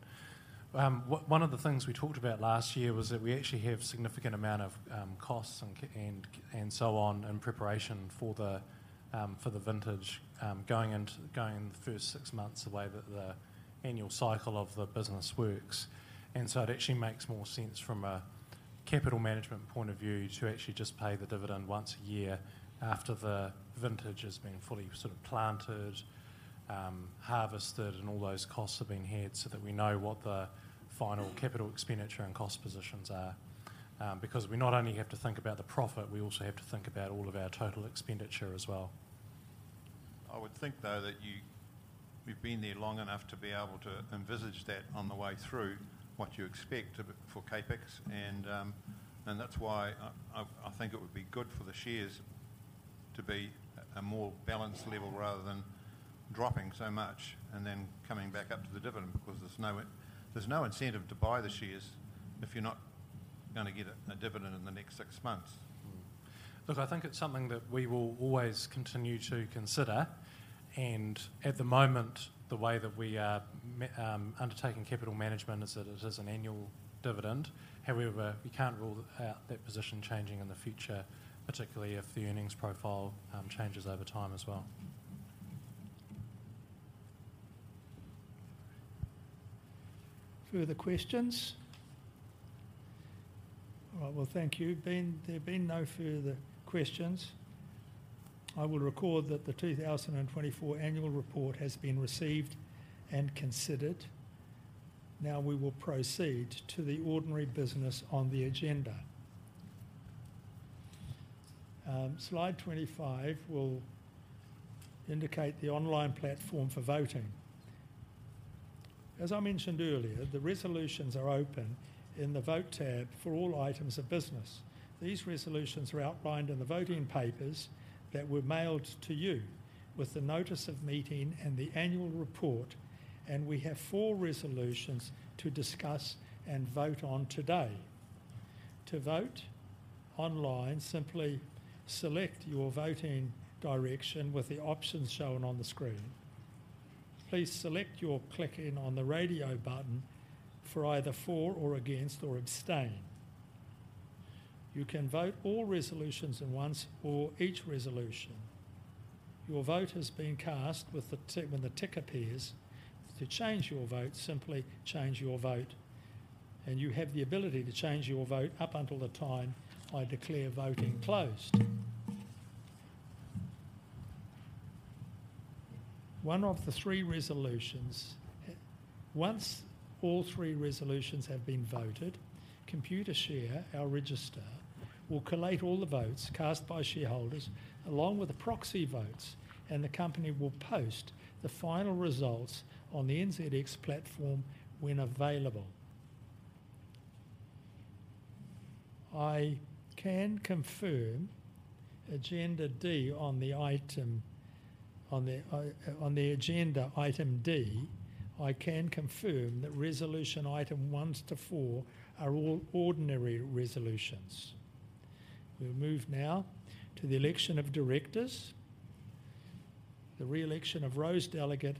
One of the things we talked about last year was that we actually have a significant amount of costs and so on in preparation for the vintage going in the first six months the way that the annual cycle of the business works. And so it actually makes more sense from a capital management point of view to actually just pay the dividend once a year after the vintage has been fully sort of planted, harvested, and all those costs have been had so that we know what the final capital expenditure and cost positions are. Because we not only have to think about the profit, we also have to think about all of our total expenditure as well. I would think, though, that you've been there long enough to be able to envisage that on the way through what you expect for CapEx. And that's why I think it would be good for the shares to be a more balanced level rather than dropping so much and then coming back up to the dividend because there's no incentive to buy the shares if you're not going to get a dividend in the next six months. Look, I think it's something that we will always continue to consider. And at the moment, the way that we are undertaking capital management is that it is an annual dividend. However, we can't rule out that position changing in the future, particularly if the earnings profile changes over time as well. Further questions? All right. Well, thank you. There have been no further questions. I will record that the 2024 annual report has been received and considered. Now we will proceed to the ordinary business on the agenda. Slide 25 will indicate the online platform for voting. As I mentioned earlier, the resolutions are open in the vote tab for all items of business. These resolutions are outlined in the voting papers that were mailed to you with the notice of meeting and the annual report, and we have four resolutions to discuss and vote on today. To vote online, simply select your voting direction with the options shown on the screen. Clicking on the radio button for either for or against or abstain. You can vote all resolutions at once or each resolution. Your vote has been cast when the tick appears. To change your vote, simply change your vote and you have the ability to change your vote up until the time I declare voting closed. One of the three resolutions. Once all three resolutions have been voted, Computershare, our register, will collate all the votes cast by shareholders along with the proxy votes, and the company will post the final results on the NZX platform when available. I can confirm agenda D on the item on the agenda, item D. I can confirm that resolution item one to four are all ordinary resolutions. We'll move now to the election of directors. The re-election of Rose Delegat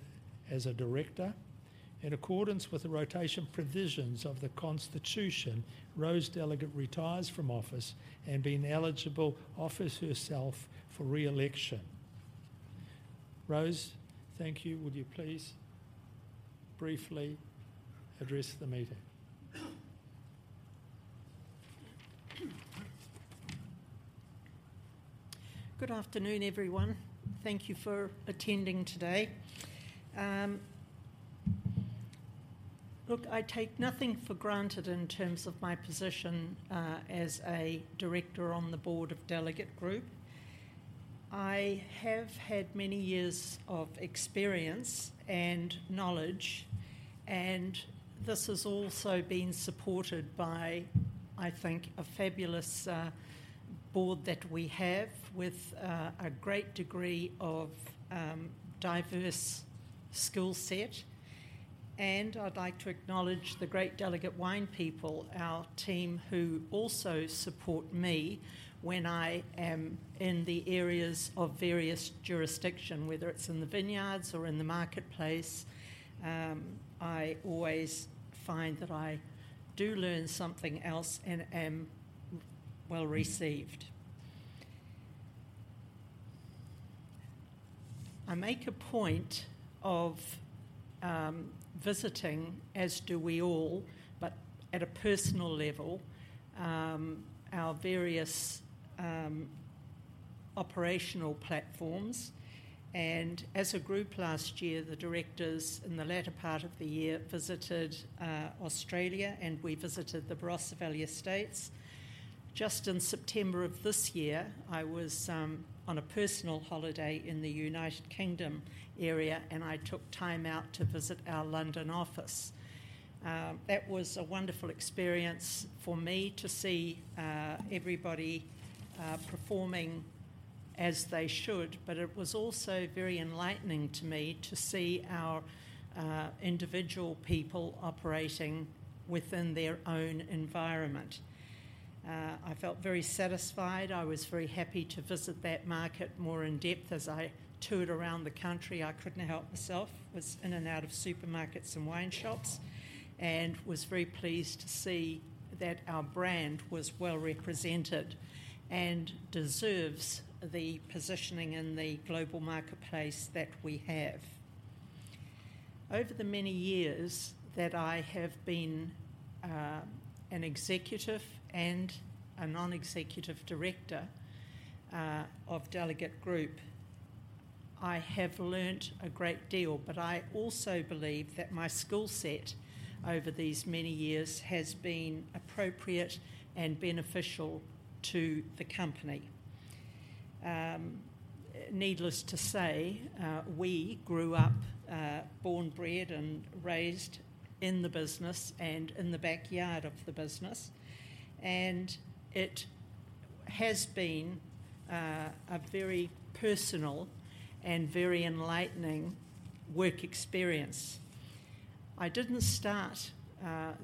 as a director. In accordance with the rotation provisions of the Constitution, Rose Delegat retires from office and being eligible offers herself for re-election. Rose, thank you. Would you please briefly address the meeting? Good afternoon, everyone. Thank you for attending today. Look, I take nothing for granted in terms of my position as a director on the board of Delegat Group. I have had many years of experience and knowledge, and this has also been supported by, I think, a fabulous board that we have with a great degree of diverse skill set. I'd like to acknowledge the great Delegat Wine people, our team, who also support me when I am in the areas of various jurisdiction, whether it's in the vineyards or in the marketplace. I always find that I do learn something else and am well received. I make a point of visiting, as do we all, but at a personal level, our various operational platforms. As a group last year, the directors in the latter part of the year visited Australia, and we visited the Barossa estates. Just in September of this year, I was on a personal holiday in the United Kingdom area, and I took time out to visit our London office. That was a wonderful experience for me to see everybody performing as they should, but it was also very enlightening to me to see our individual people operating within their own environment. I felt very satisfied. I was very happy to visit that market more in depth as I toured around the country. I couldn't help myself. I was in and out of supermarkets and wine shops and was very pleased to see that our brand was well represented and deserves the positioning in the global marketplace that we have. Over the many years that I have been an executive and a non-executive director of Delegat Group, I have learned a great deal, but I also believe that my skill set over these many years has been appropriate and beneficial to the company. Needless to say, we grew up born, bred, and raised in the business and in the backyard of the business. And it has been a very personal and very enlightening work experience. I didn't start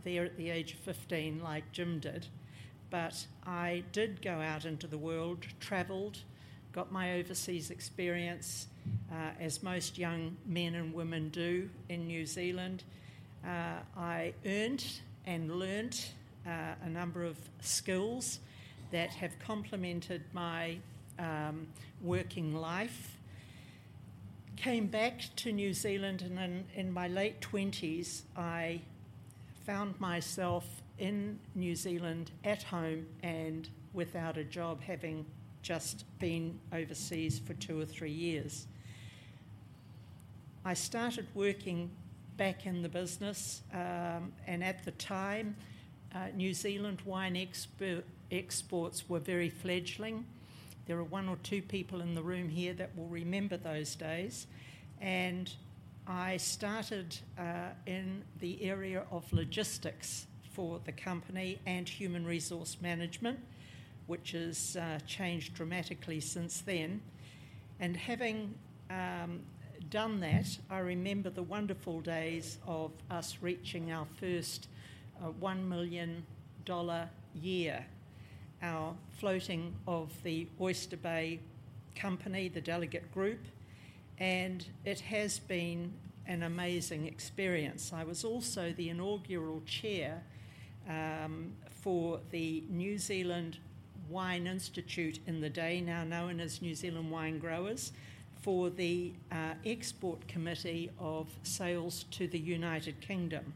there at the age of 15 like Jim did, but I did go out into the world, traveled, got my overseas experience as most young men and women do in New Zealand. I earned and learned a number of skills that have complemented my working life. Came back to New Zealand, and in my late 20s, I found myself in New Zealand at home and without a job, having just been overseas for two or three years. I started working back in the business, and at the time, New Zealand wine exports were very fledgling. There are one or two people in the room here that will remember those days. I started in the area of logistics for the company and human resource management, which has changed dramatically since then. Having done that, I remember the wonderful days of us reaching our first 1 million dollar year, our floating of the Oyster Bay company, the Delegat Group. It has been an amazing experience. I was also the inaugural chair for the New Zealand Wine Institute in the day, now known as New Zealand Winegrowers, for the export committee of sales to the United Kingdom.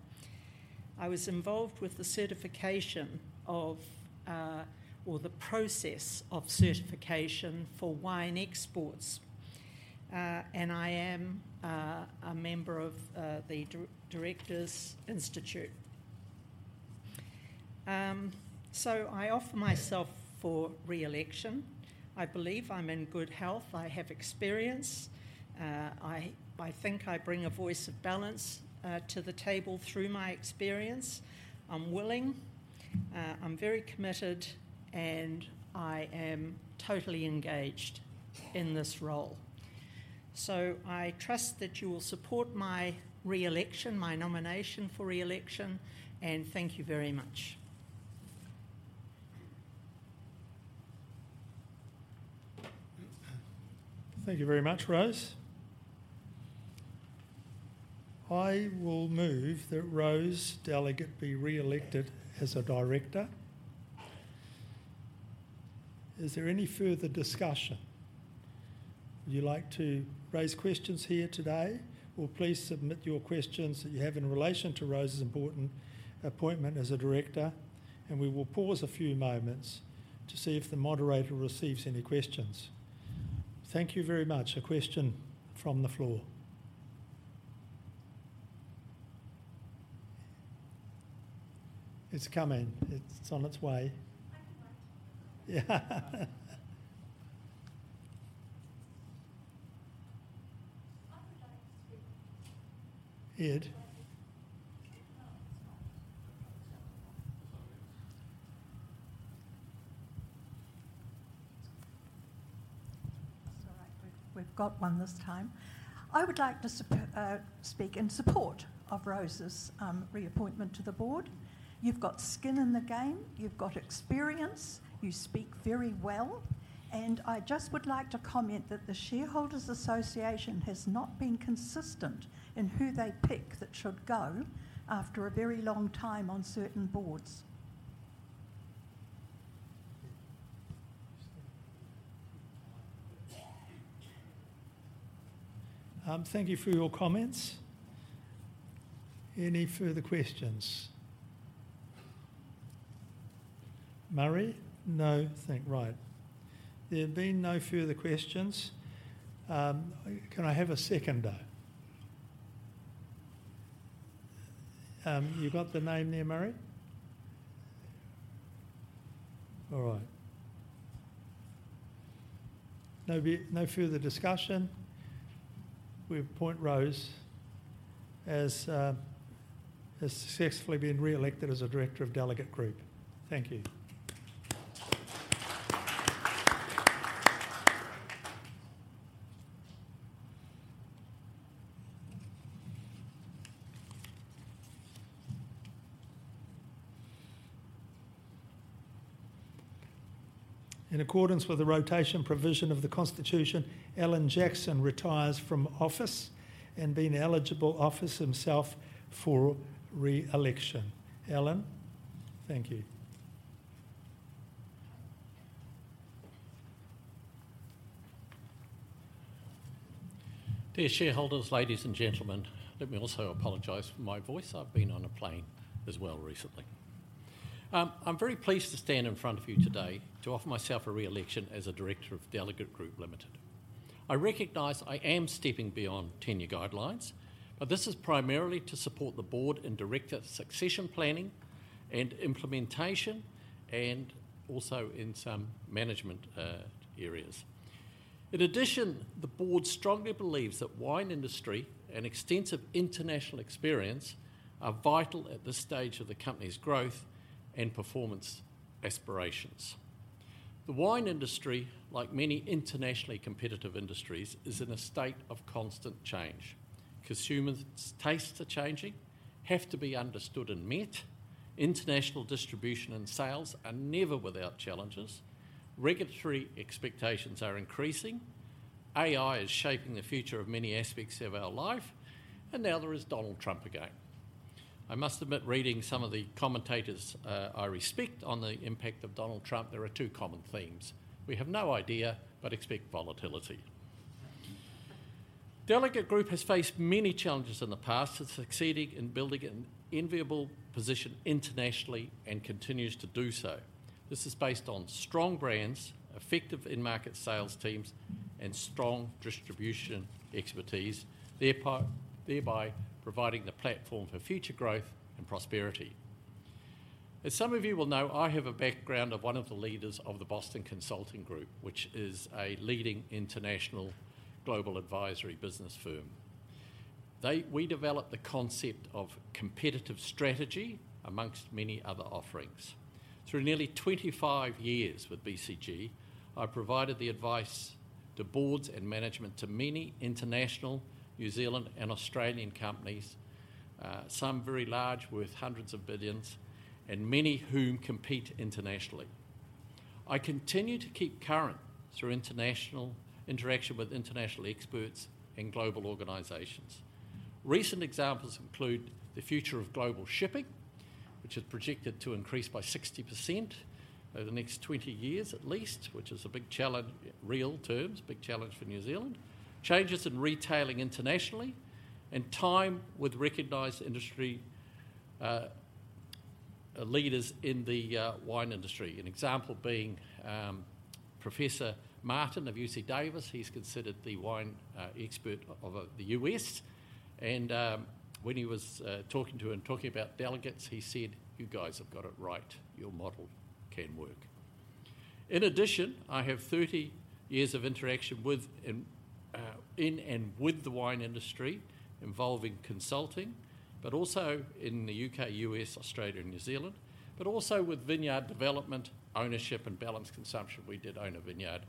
I was involved with the certification or the process of certification for wine exports, and I am a member of the Institute of Directors. So I offer myself for re-election. I believe I'm in good health. I have experience. I think I bring a voice of balance to the table through my experience. I'm willing. I'm very committed, and I am totally engaged in this role. So I trust that you will support my re-election, my nomination for re-election, and thank you very much. Thank you very much, Rose. I will move that Rose Delegat be re-elected as a director. Is there any further discussion? Would you like to raise questions here today? Or please submit your questions that you have in relation to Rose's important appointment as a director. And we will pause a few moments to see if the moderator receives any questions. Thank you very much. A question from the floor. It's coming. It's on its way. Yeah. I would like to speak. Ed. That's all right. We've got one this time. I would like to speak in support of Rose's reappointment to the board. You've got skin in the game. You've got experience. You speak very well. I just would like to comment that the Shareholders Association has not been consistent in who they pick that should go after a very long time on certain boards. Thank you for your comments. Any further questions? Murray? No, I think right. There have been no further questions. Can I have a seconder? You've got the name there, Murray? All right. No further discussion. We'll appoint Rose as successfully being re-elected as a director of Delegat Group. Thank you. In accordance with the rotation provision of the Constitution, Alan Jackson retires from office and, being eligible, offers himself for re-election. Alan, thank you. Dear shareholders, ladies and gentlemen, let me also apologize for my voice. I've been on a plane as well recently. I'm very pleased to stand in front of you today to offer myself a re-election as a director of Delegat Group Limited. I recognize I am stepping beyond tenure guidelines, but this is primarily to support the board in director succession planning and implementation and also in some management areas. In addition, the board strongly believes that wine industry and extensive international experience are vital at this stage of the company's growth and performance aspirations. The wine industry, like many internationally competitive industries, is in a state of constant change. Consumers' tastes are changing, have to be understood and met. International distribution and sales are never without challenges. Regulatory expectations are increasing. AI is shaping the future of many aspects of our life. And now there is Donald Trump again. I must admit, reading some of the commentators I respect on the impact of Donald Trump, there are two common themes. We have no idea but expect volatility. Delegat Group has faced many challenges in the past and succeeded in building an enviable position internationally and continues to do so. This is based on strong brands, effective in-market sales teams, and strong distribution expertise, thereby providing the platform for future growth and prosperity. As some of you will know, I have a background of one of the leaders of the Boston Consulting Group, which is a leading international global advisory business firm. We developed the concept of competitive strategy amongst many other offerings. Through nearly 25 years with BCG, I provided the advice to boards and management to many international New Zealand and Australian companies, some very large worth hundreds of billions, and many whom compete internationally. I continue to keep current through international interaction with international experts and global organizations. Recent examples include the future of global shipping, which is projected to increase by 60% over the next 20 years at least, which is a big challenge in real terms, a big challenge for New Zealand, changes in retailing internationally, and time with recognized industry leaders in the wine industry. An example being Professor Martin of UC Davis. He's considered the wine expert of the U.S. And when he was talking to her and talking about Delegat, he said, "You guys have got it right. Your model can work." In addition, I have 30 years of interaction in and with the wine industry involving consulting, but also in the U.K., U.S., Australia, and New Zealand, but also with vineyard development, ownership, and balanced consumption. We did own a vineyard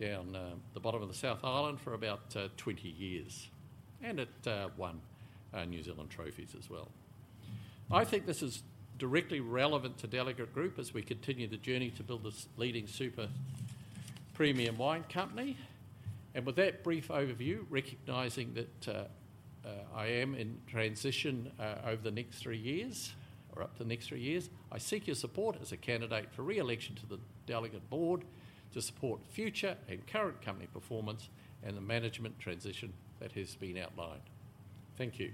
down the bottom of the South Island for about 20 years. And it won New Zealand trophies as well. I think this is directly relevant to Delegat Group as we continue the journey to build this leading super premium wine company. And with that brief overview, recognizing that I am in transition over the next three years or up to the next three years, I seek your support as a candidate for re-election to the Delegat Board to support future and current company performance and the management transition that has been outlined. Thank you.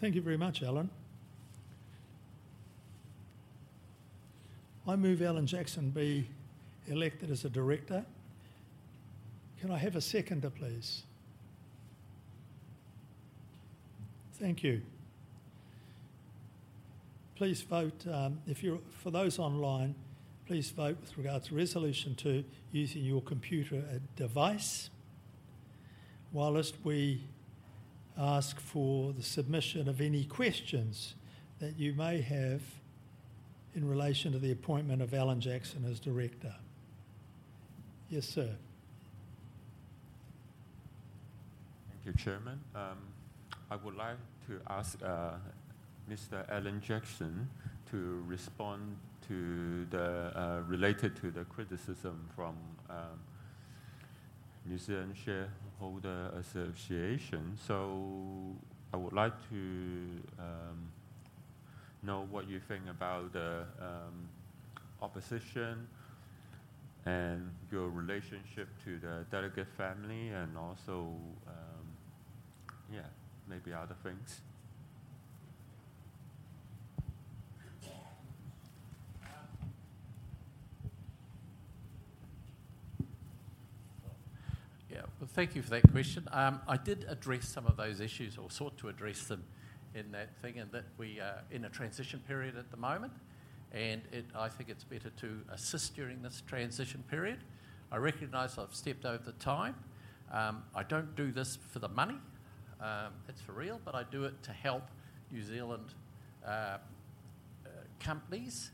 Thank you very much, Alan. I move Alan Jackson be elected as a director. Can I have a seconder, please? Thank you. Please vote. For those online, please vote with regards to resolution two using your computer device, while we ask for the submission of any questions that you may have in relation to the appointment of Alan Jackson as director. Yes, sir. Thank you, Chairman. I would like to ask Mr. Alan Jackson to respond related to the criticism from New Zealand Shareholders Association. So I would like to know what you think about the opposition and your relationship to the Delegat family and also, yeah, maybe other things. Yeah, well, thank you for that question. I did address some of those issues or sought to address them in that thing in that we are in a transition period at the moment. I think it's better to assist during this transition period. I recognize I've stepped over time. I don't do this for the money. It's for real, but I do it to help New Zealand companies.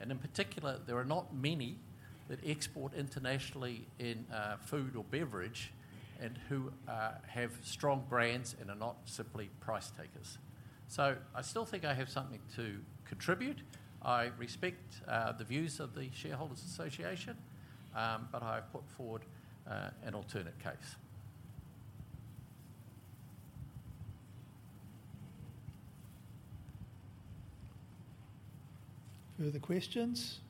In particular, there are not many that export internationally in food or beverage and who have strong brands and are not simply price takers. So I still think I have something to contribute. I respect the views of the Shareholders Association, but I have put forward an alternate case. Further questions?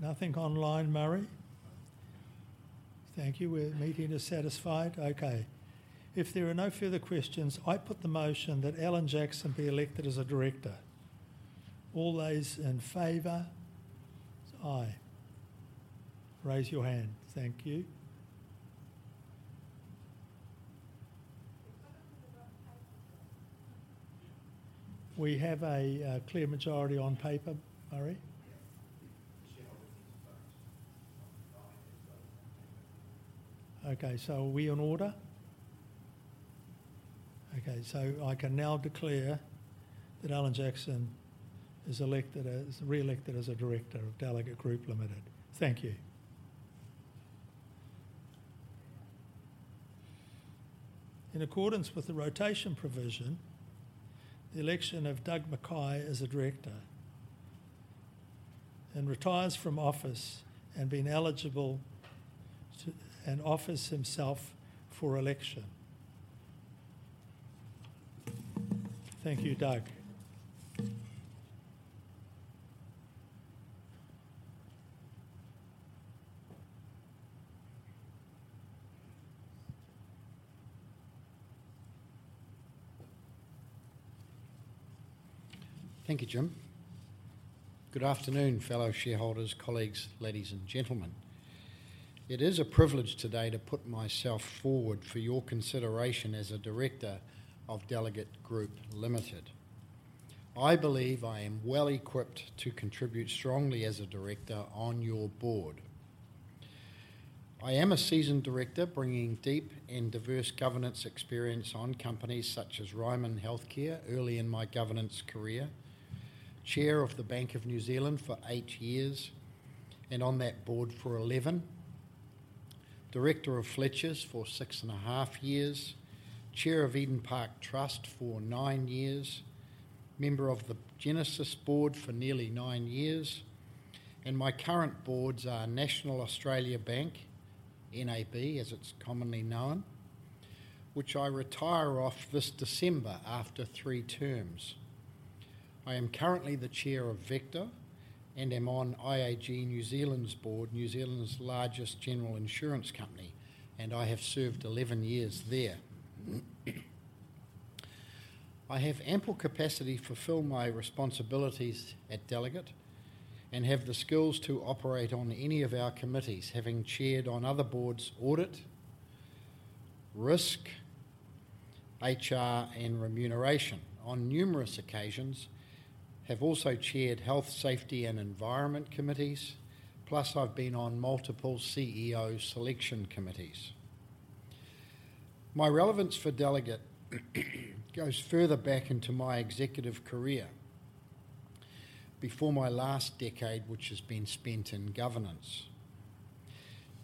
Nothing online, Murray? Thank you. The quorum is satisfied. Okay. If there are no further questions, I put the motion that Alan Jackson be elected as a director. All those in favor, it's aye. Raise your hand. Thank you. We have a clear majority on paper, Murray? Okay. So are we in order? Okay. So I can now declare that Alan Jackson is re-elected as a director of Delegat Group Limited. Thank you. In accordance with the rotation provision, the election of Doug McKay as a director and retires from office and offers himself for election. Thank you, Doug. Thank you, Jim. Good afternoon, fellow shareholders, colleagues, ladies and gentlemen. It is a privilege today to put myself forward for your consideration as a director of Delegat Group Limited. I believe I am well equipped to contribute strongly as a director on your board. I am a seasoned director bringing deep and diverse governance experience on companies such as Ryman Healthcare early in my governance career, Chair of the Bank of New Zealand for eight years, and on that board for 11years, director of Fletcher Building for six and a half years, Chair of Eden Park Trust for nine years, member of the Genesis board for nearly nine years. And my current boards are National Australia Bank, NAB as it's commonly known, which I retire off this December after three terms. I am currently the Chair of Vector and am on IAG New Zealand's board, New Zealand's largest general insurance company. And I have served 11 years there. I have ample capacity to fulfill my responsibilities at Delegat and have the skills to operate on any of our committees, having chaired on other boards' audit, risk, HR, and remuneration on numerous occasions. I have also chaired health, safety, and environment committees. Plus, I've been on multiple CEO selection committees. My relevance for Delegat goes further back into my executive career before my last decade, which has been spent in governance.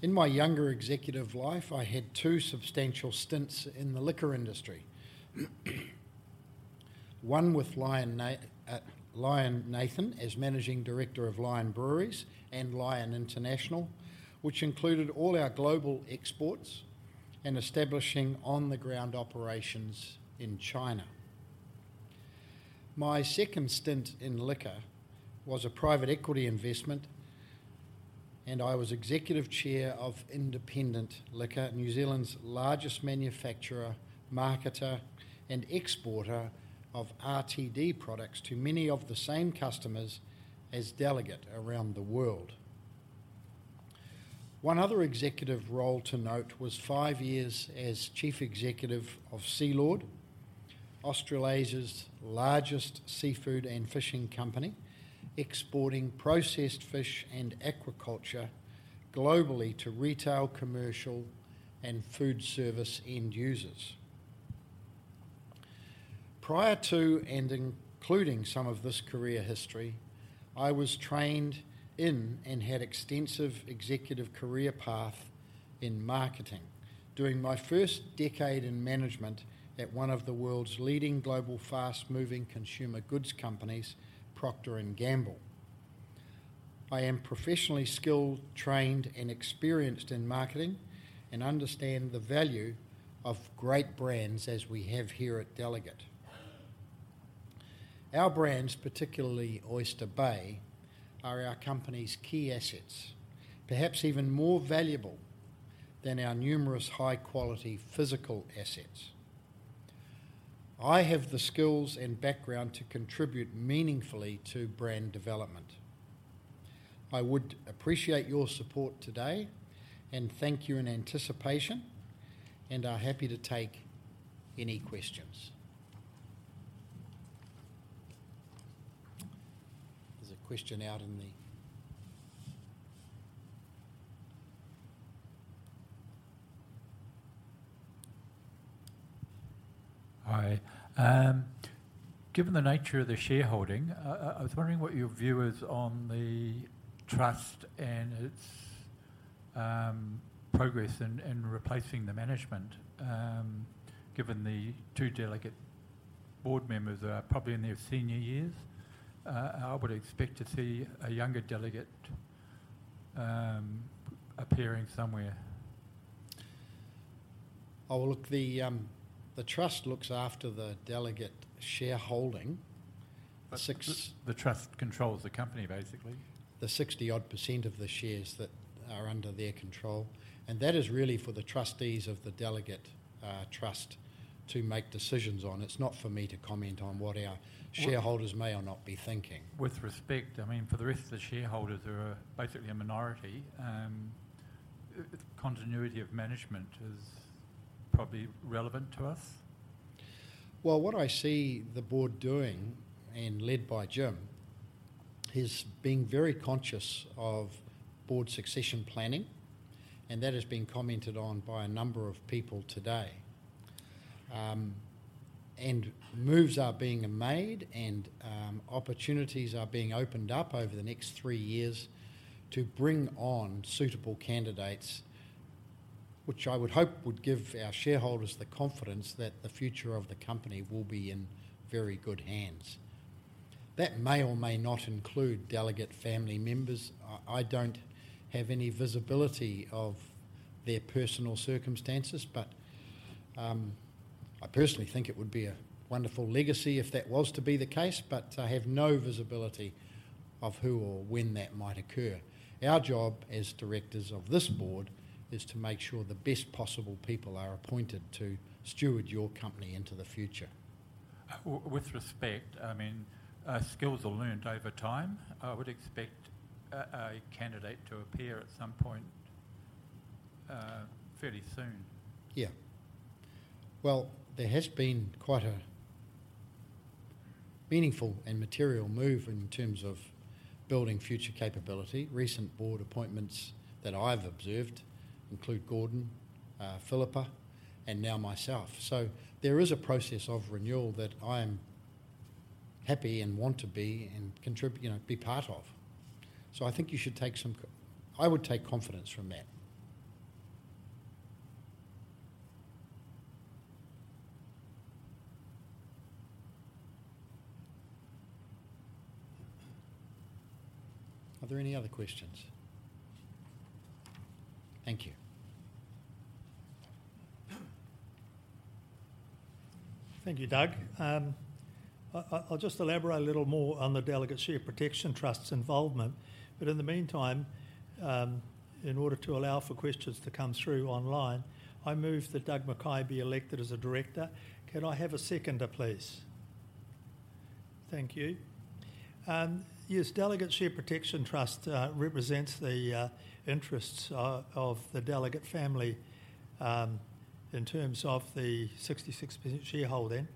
In my younger executive life, I had two substantial stints in the liquor industry, one with Lion Nathan as managing director of Lion Breweries and Lion International, which included all our global exports and establishing on-the-ground operations in China. My second stint in liquor was a private equity investment, and I was executive chair of Independent Liquor, New Zealand's largest manufacturer, marketer, and exporter of RTD products to many of the same customers as Delegat around the world. One other executive role to note was five years as Chief Executive of Sealord, Australia's largest seafood and fishing company, exporting processed fish and aquaculture globally to retail, commercial, and food service end users. Prior to and including some of this career history, I was trained in and had an extensive executive career path in marketing, doing my first decade in management at one of the world's leading global fast-moving consumer goods companies, Procter & Gamble. I am professionally skilled, trained, and experienced in marketing and understand the value of great brands as we have here at Delegat. Our brands, particularly Oyster Bay, are our company's key assets, perhaps even more valuable than our numerous high-quality physical assets. I have the skills and background to contribute meaningfully to brand development. I would appreciate your support today and thank you in anticipation and are happy to take any questions. There's a question out in the... Hi. Given the nature of the shareholding, I was wondering what your view is on the trust and its progress in replacing the management. Given the two Delegat board members are probably in their senior years, I would expect to see a younger Delegat appearing somewhere. The trust looks after the Delegat shareholding. The trust controls the company, basically. The 60-odd% of the shares that are under their control. And that is really for the trustees of the Delegat Trust to make decisions on. It's not for me to comment on what our shareholders may or not be thinking. With respect, I mean, for the rest of the shareholders who are basically a minority, continuity of management is probably relevant to us. What I see the board doing and led by Jim is being very conscious of board succession planning, and that has been commented on by a number of people today. Moves are being made, and opportunities are being opened up over the next three years to bring on suitable candidates, which I would hope would give our shareholders the confidence that the future of the company will be in very good hands. That may or may not include Delegat family members. I don't have any visibility of their personal circumstances, but I personally think it would be a wonderful legacy if that was to be the case, but I have no visibility of who or when that might occur. Our job as directors of this board is to make sure the best possible people are appointed to steward your company into the future. With respect, I mean, skills are learned over time. I would expect a candidate to appear at some point fairly soon. Yeah. Well, there has been quite a meaningful and material move in terms of building future capability. Recent board appointments that I've observed include Gordon, Philippa, and now myself. So there is a process of renewal that I am happy and want to be and be part of. So I think you should take some—I would take confidence from that. Are there any other questions? Thank you. Thank you, Doug. I'll just elaborate a little more on the Delegat Share Protection Trust's involvement. But in the meantime, in order to allow for questions to come through online, I move that Doug McKay be elected as a director. Can I have a seconder, please? Thank you. Yes, Delegat Share Protection Trust represents the interests of the Delegat family in terms of the 66% shareholding.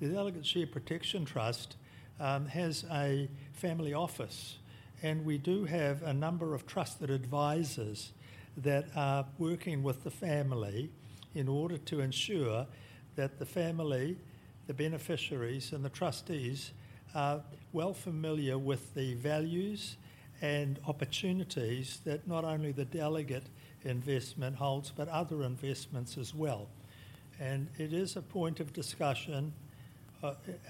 The Delegat Share Protection Trust has a family office, and we do have a number of trust advisors that are working with the family in order to ensure that the family, the beneficiaries, and the trustees are well familiar with the values and opportunities that not only the Delegat investment holds, but other investments as well, and it is a point of discussion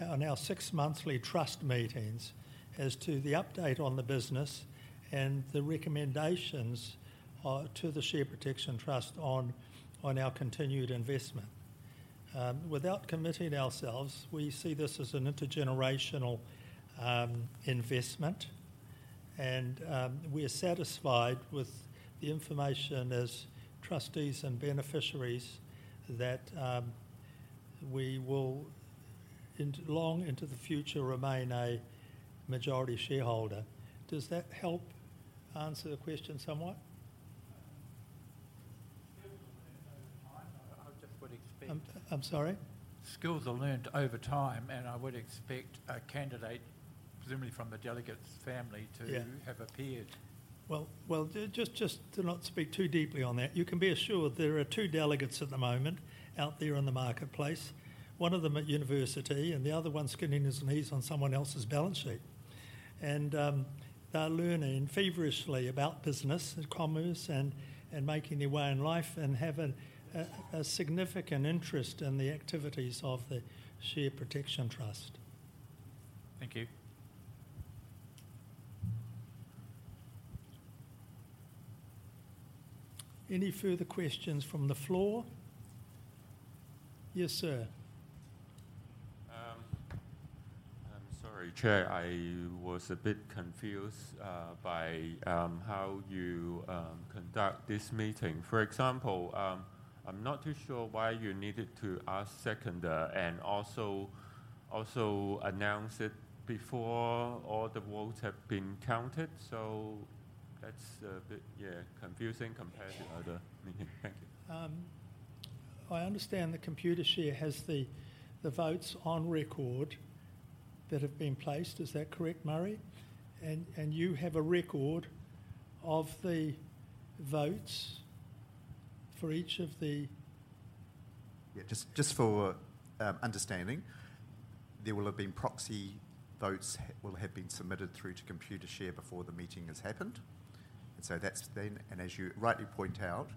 on our six-monthly trust meetings as to the update on the business and the recommendations to the Share Protection Trust on our continued investment. Without committing ourselves, we see this as an intergenerational investment, and we are satisfied with the information as trustees and beneficiaries that we will, long into the future, remain a majority shareholder. Does that help answer the question somewhat? Skills are learned over time. I would just expect. I'm sorry? Skills are learned over time, and I would expect a candidate presumably from the Delegat family to have appeared. Well, just to not speak too deeply on that, you can be assured there are two Delegats at the moment out there in the marketplace. One of them at university, and the other one skinning his knees on someone else's balance sheet. They're learning feverishly about business and commerce and making their way in life and have a significant interest in the activities of the Delegat Share Protection Trust. Thank you. Any further questions from the floor? Yes, sir. I'm sorry, Chair. I was a bit confused by how you conduct this meeting. For example, I'm not too sure why you needed to ask seconder and also announce it before all the votes have been counted. So that's a bit, yeah, confusing compared to other meetings. Thank you. I understand Computershare has the votes on record that have been placed. Is that correct, Murray? And you have a record of the votes for each of the. Yeah, just for understanding, there will have been proxy votes that will have been submitted through to Computershare before the meeting has happened. And so that's then. And as you rightly point out,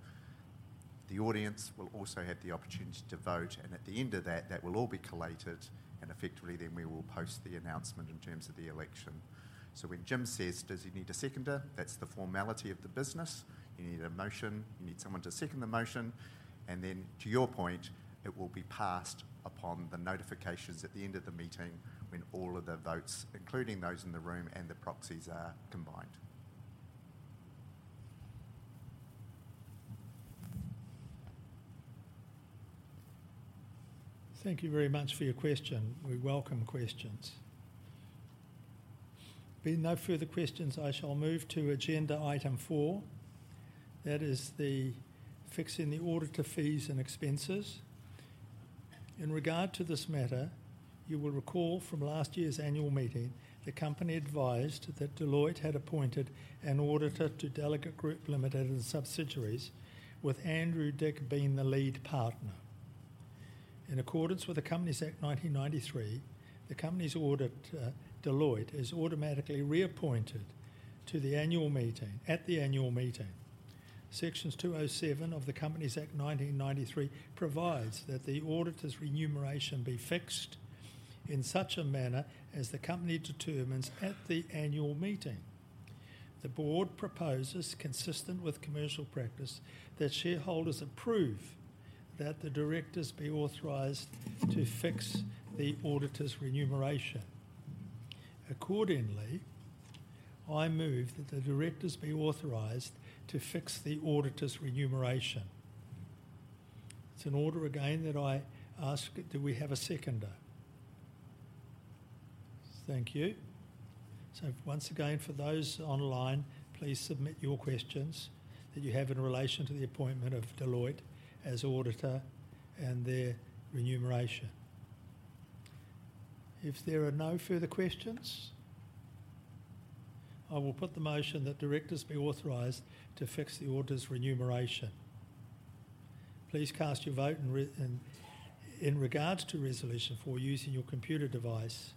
the audience will also have the opportunity to vote. And at the end of that, that will all be collated. And effectively, then we will post the announcement in terms of the election. So when Jim says, "Does he need a seconder?" that's the formality of the business. You need a motion. You need someone to second the motion. And then, to your point, it will be passed upon the notifications at the end of the meeting when all of the votes, including those in the room and the proxies, are combined. Thank you very much for your question. We welcome questions. There being no further questions, I shall move to agenda item four. That is the fixing of the auditor fees and expenses. In regard to this matter, you will recall from last year's annual meeting, the company advised that Deloitte had appointed an auditor to Delegat Group Limited and subsidiaries, with Andrew Dick being the lead partner. In accordance with the Companies Act 1993, the company's auditor, Deloitte, is automatically reappointed at the annual meeting. Section 207 of the Companies Act 1993 provides that the auditor's remuneration be fixed in such a manner as the company determines at the annual meeting. The board proposes, consistent with commercial practice, that shareholders approve that the directors be authorized to fix the auditor's remuneration. Accordingly, I move that the directors be authorized to fix the auditor's remuneration. It's in order again that I ask, "Do we have a seconder?" Thank you. So once again, for those online, please submit your questions that you have in relation to the appointment of Deloitte as auditor and their remuneration. If there are no further questions, I will put the motion that directors be authorized to fix the auditor's remuneration. Please cast your vote in regards to resolution four using your computer device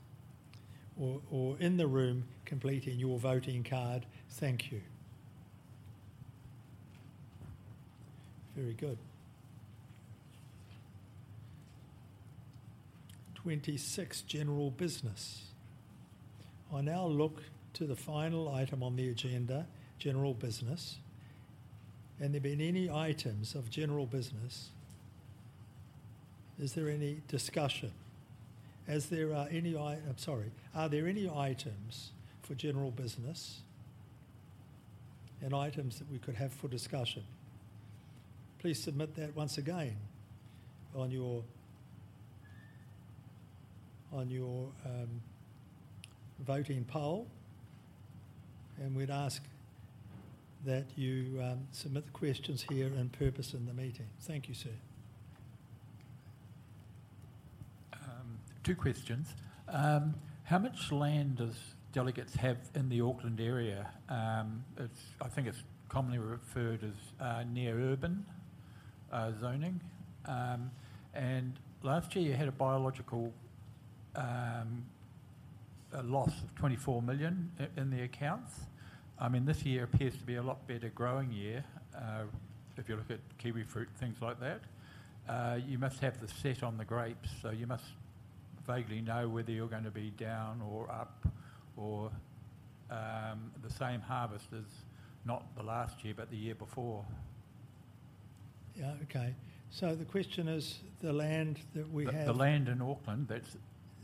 or in the room completing your voting card. Thank you. Very good. 26, general business. I now look to the final item on the agenda, general business. Are there any items of general business? Is there any discussion? I'm sorry. Are there any items for general business and items that we could have for discussion? Please submit that once again on your voting poll. And we'd ask that you submit the questions here and pose in the meeting. Thank you, sir. Two questions. How much land does Delegat have in the Auckland area? I think it's commonly referred to as near urban zoning. And last year, you had a biological loss of 24 million in the accounts. I mean, this year appears to be a lot better growing year. If you look at kiwifruit, things like that, you must have the set on the grapes, so you must vaguely know whether you're going to be down or up or the same harvest as not the last year, but the year before. Yeah, okay. So the question is the land that we have, the land in Auckland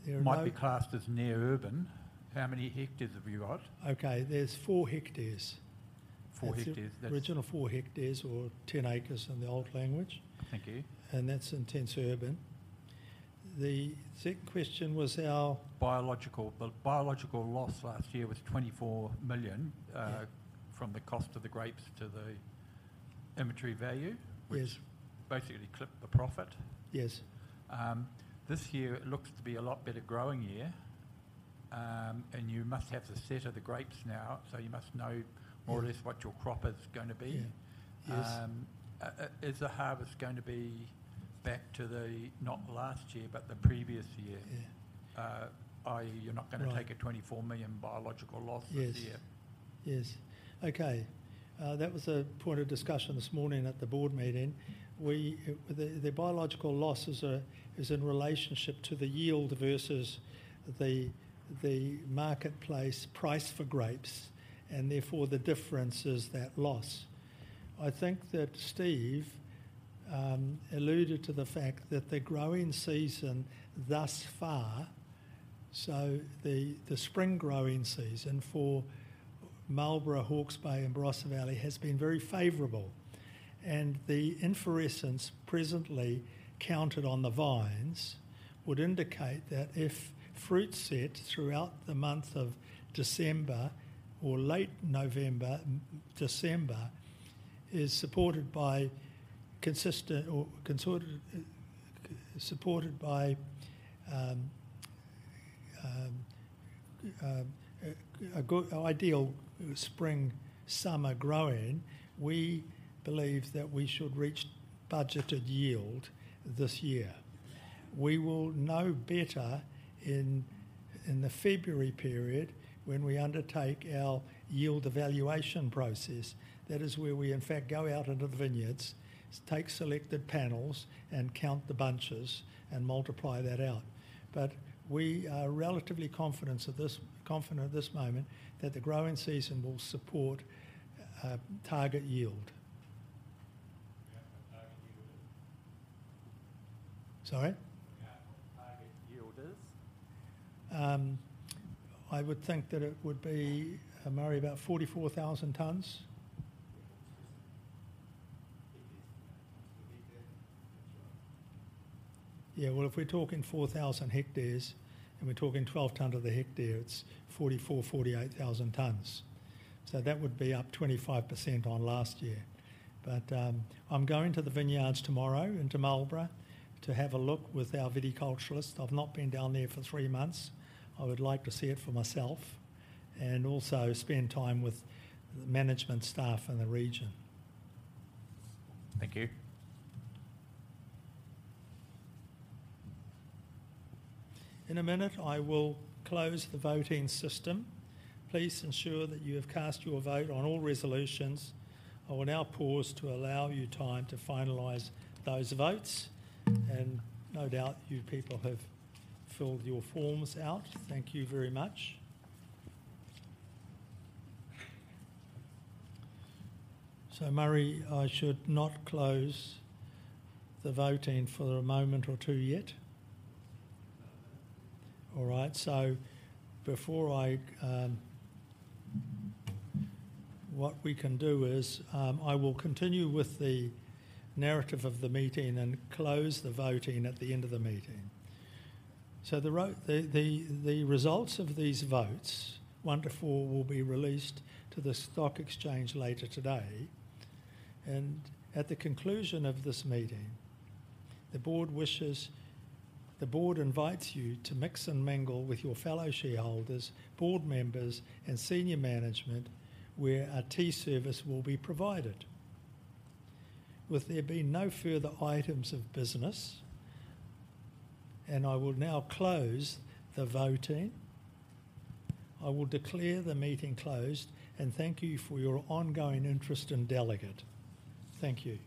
that might be classed as near urban. How many hectares have you got? Okay, there's four hectares. Four hectares. Original four hectares or 10 acres in the old language. Thank you. And that's intense urban. The second question was our biological loss last year was 24 million from the cost of the grapes to the inventory value, which basically clipped the profit. This year, it looks to be a lot better growing year, and you must have the set of the grapes now, so you must know more or less what your crop is going to be. Is the harvest going to be back to the not last year, but the previous year? You're not going to take a 24 million biological loss this year. Yes. Okay. That was a point of discussion this morning at the board meeting. The biological loss is in relationship to the yield versus the marketplace price for grapes, and therefore the difference is that loss. I think that Steve alluded to the fact that the growing season thus far, so the spring growing season for Marlborough, Hawke's Bay, and Barossa Valley has been very favorable. The inflorescence presently counted on the vines would indicate that if fruit set throughout the month of December or late November, December is supported by consistent ideal spring summer growing, we believe that we should reach budgeted yield this year. We will know better in the February period when we undertake our yield evaluation process. That is where we, in fact, go out into the vineyards, take selected panels, and count the bunches, and multiply that out. We are relatively confident at this moment that the growing season will support target yield. I would think that it would be, Murray, about 44,000 tons. 44,000ha. It is that much. Yeah, well, if we're talking 4,000ha and we're talking 12 tonnes of the hectare, it's 44,000, 48,000 tons. So that would be up 25% on last year. But I'm going to the vineyards tomorrow into Marlborough to have a look with our viticulturalist. I've not been down there for three months. I would like to see it for myself and also spend time with the management staff in the region. Thank you. In a minute, I will close the voting system. Please ensure that you have cast your vote on all resolutions. I will now pause to allow you time to finalize those votes. No doubt you people have filled your forms out. Thank you very much. Murray, I should not close the voting for a moment or two yet. All right. Before I, what we can do is I will continue with the narrative of the meeting and close the voting at the end of the meeting. The results of these votes, one to four, will be released to the stock exchange later today. At the conclusion of this meeting, the board invites you to mix and mingle with your fellow shareholders, board members, and senior management, where a tea service will be provided. With there being no further items of business, I will now close the voting. I will declare the meeting closed and thank you for your ongoing interest in Delegat. Thank you.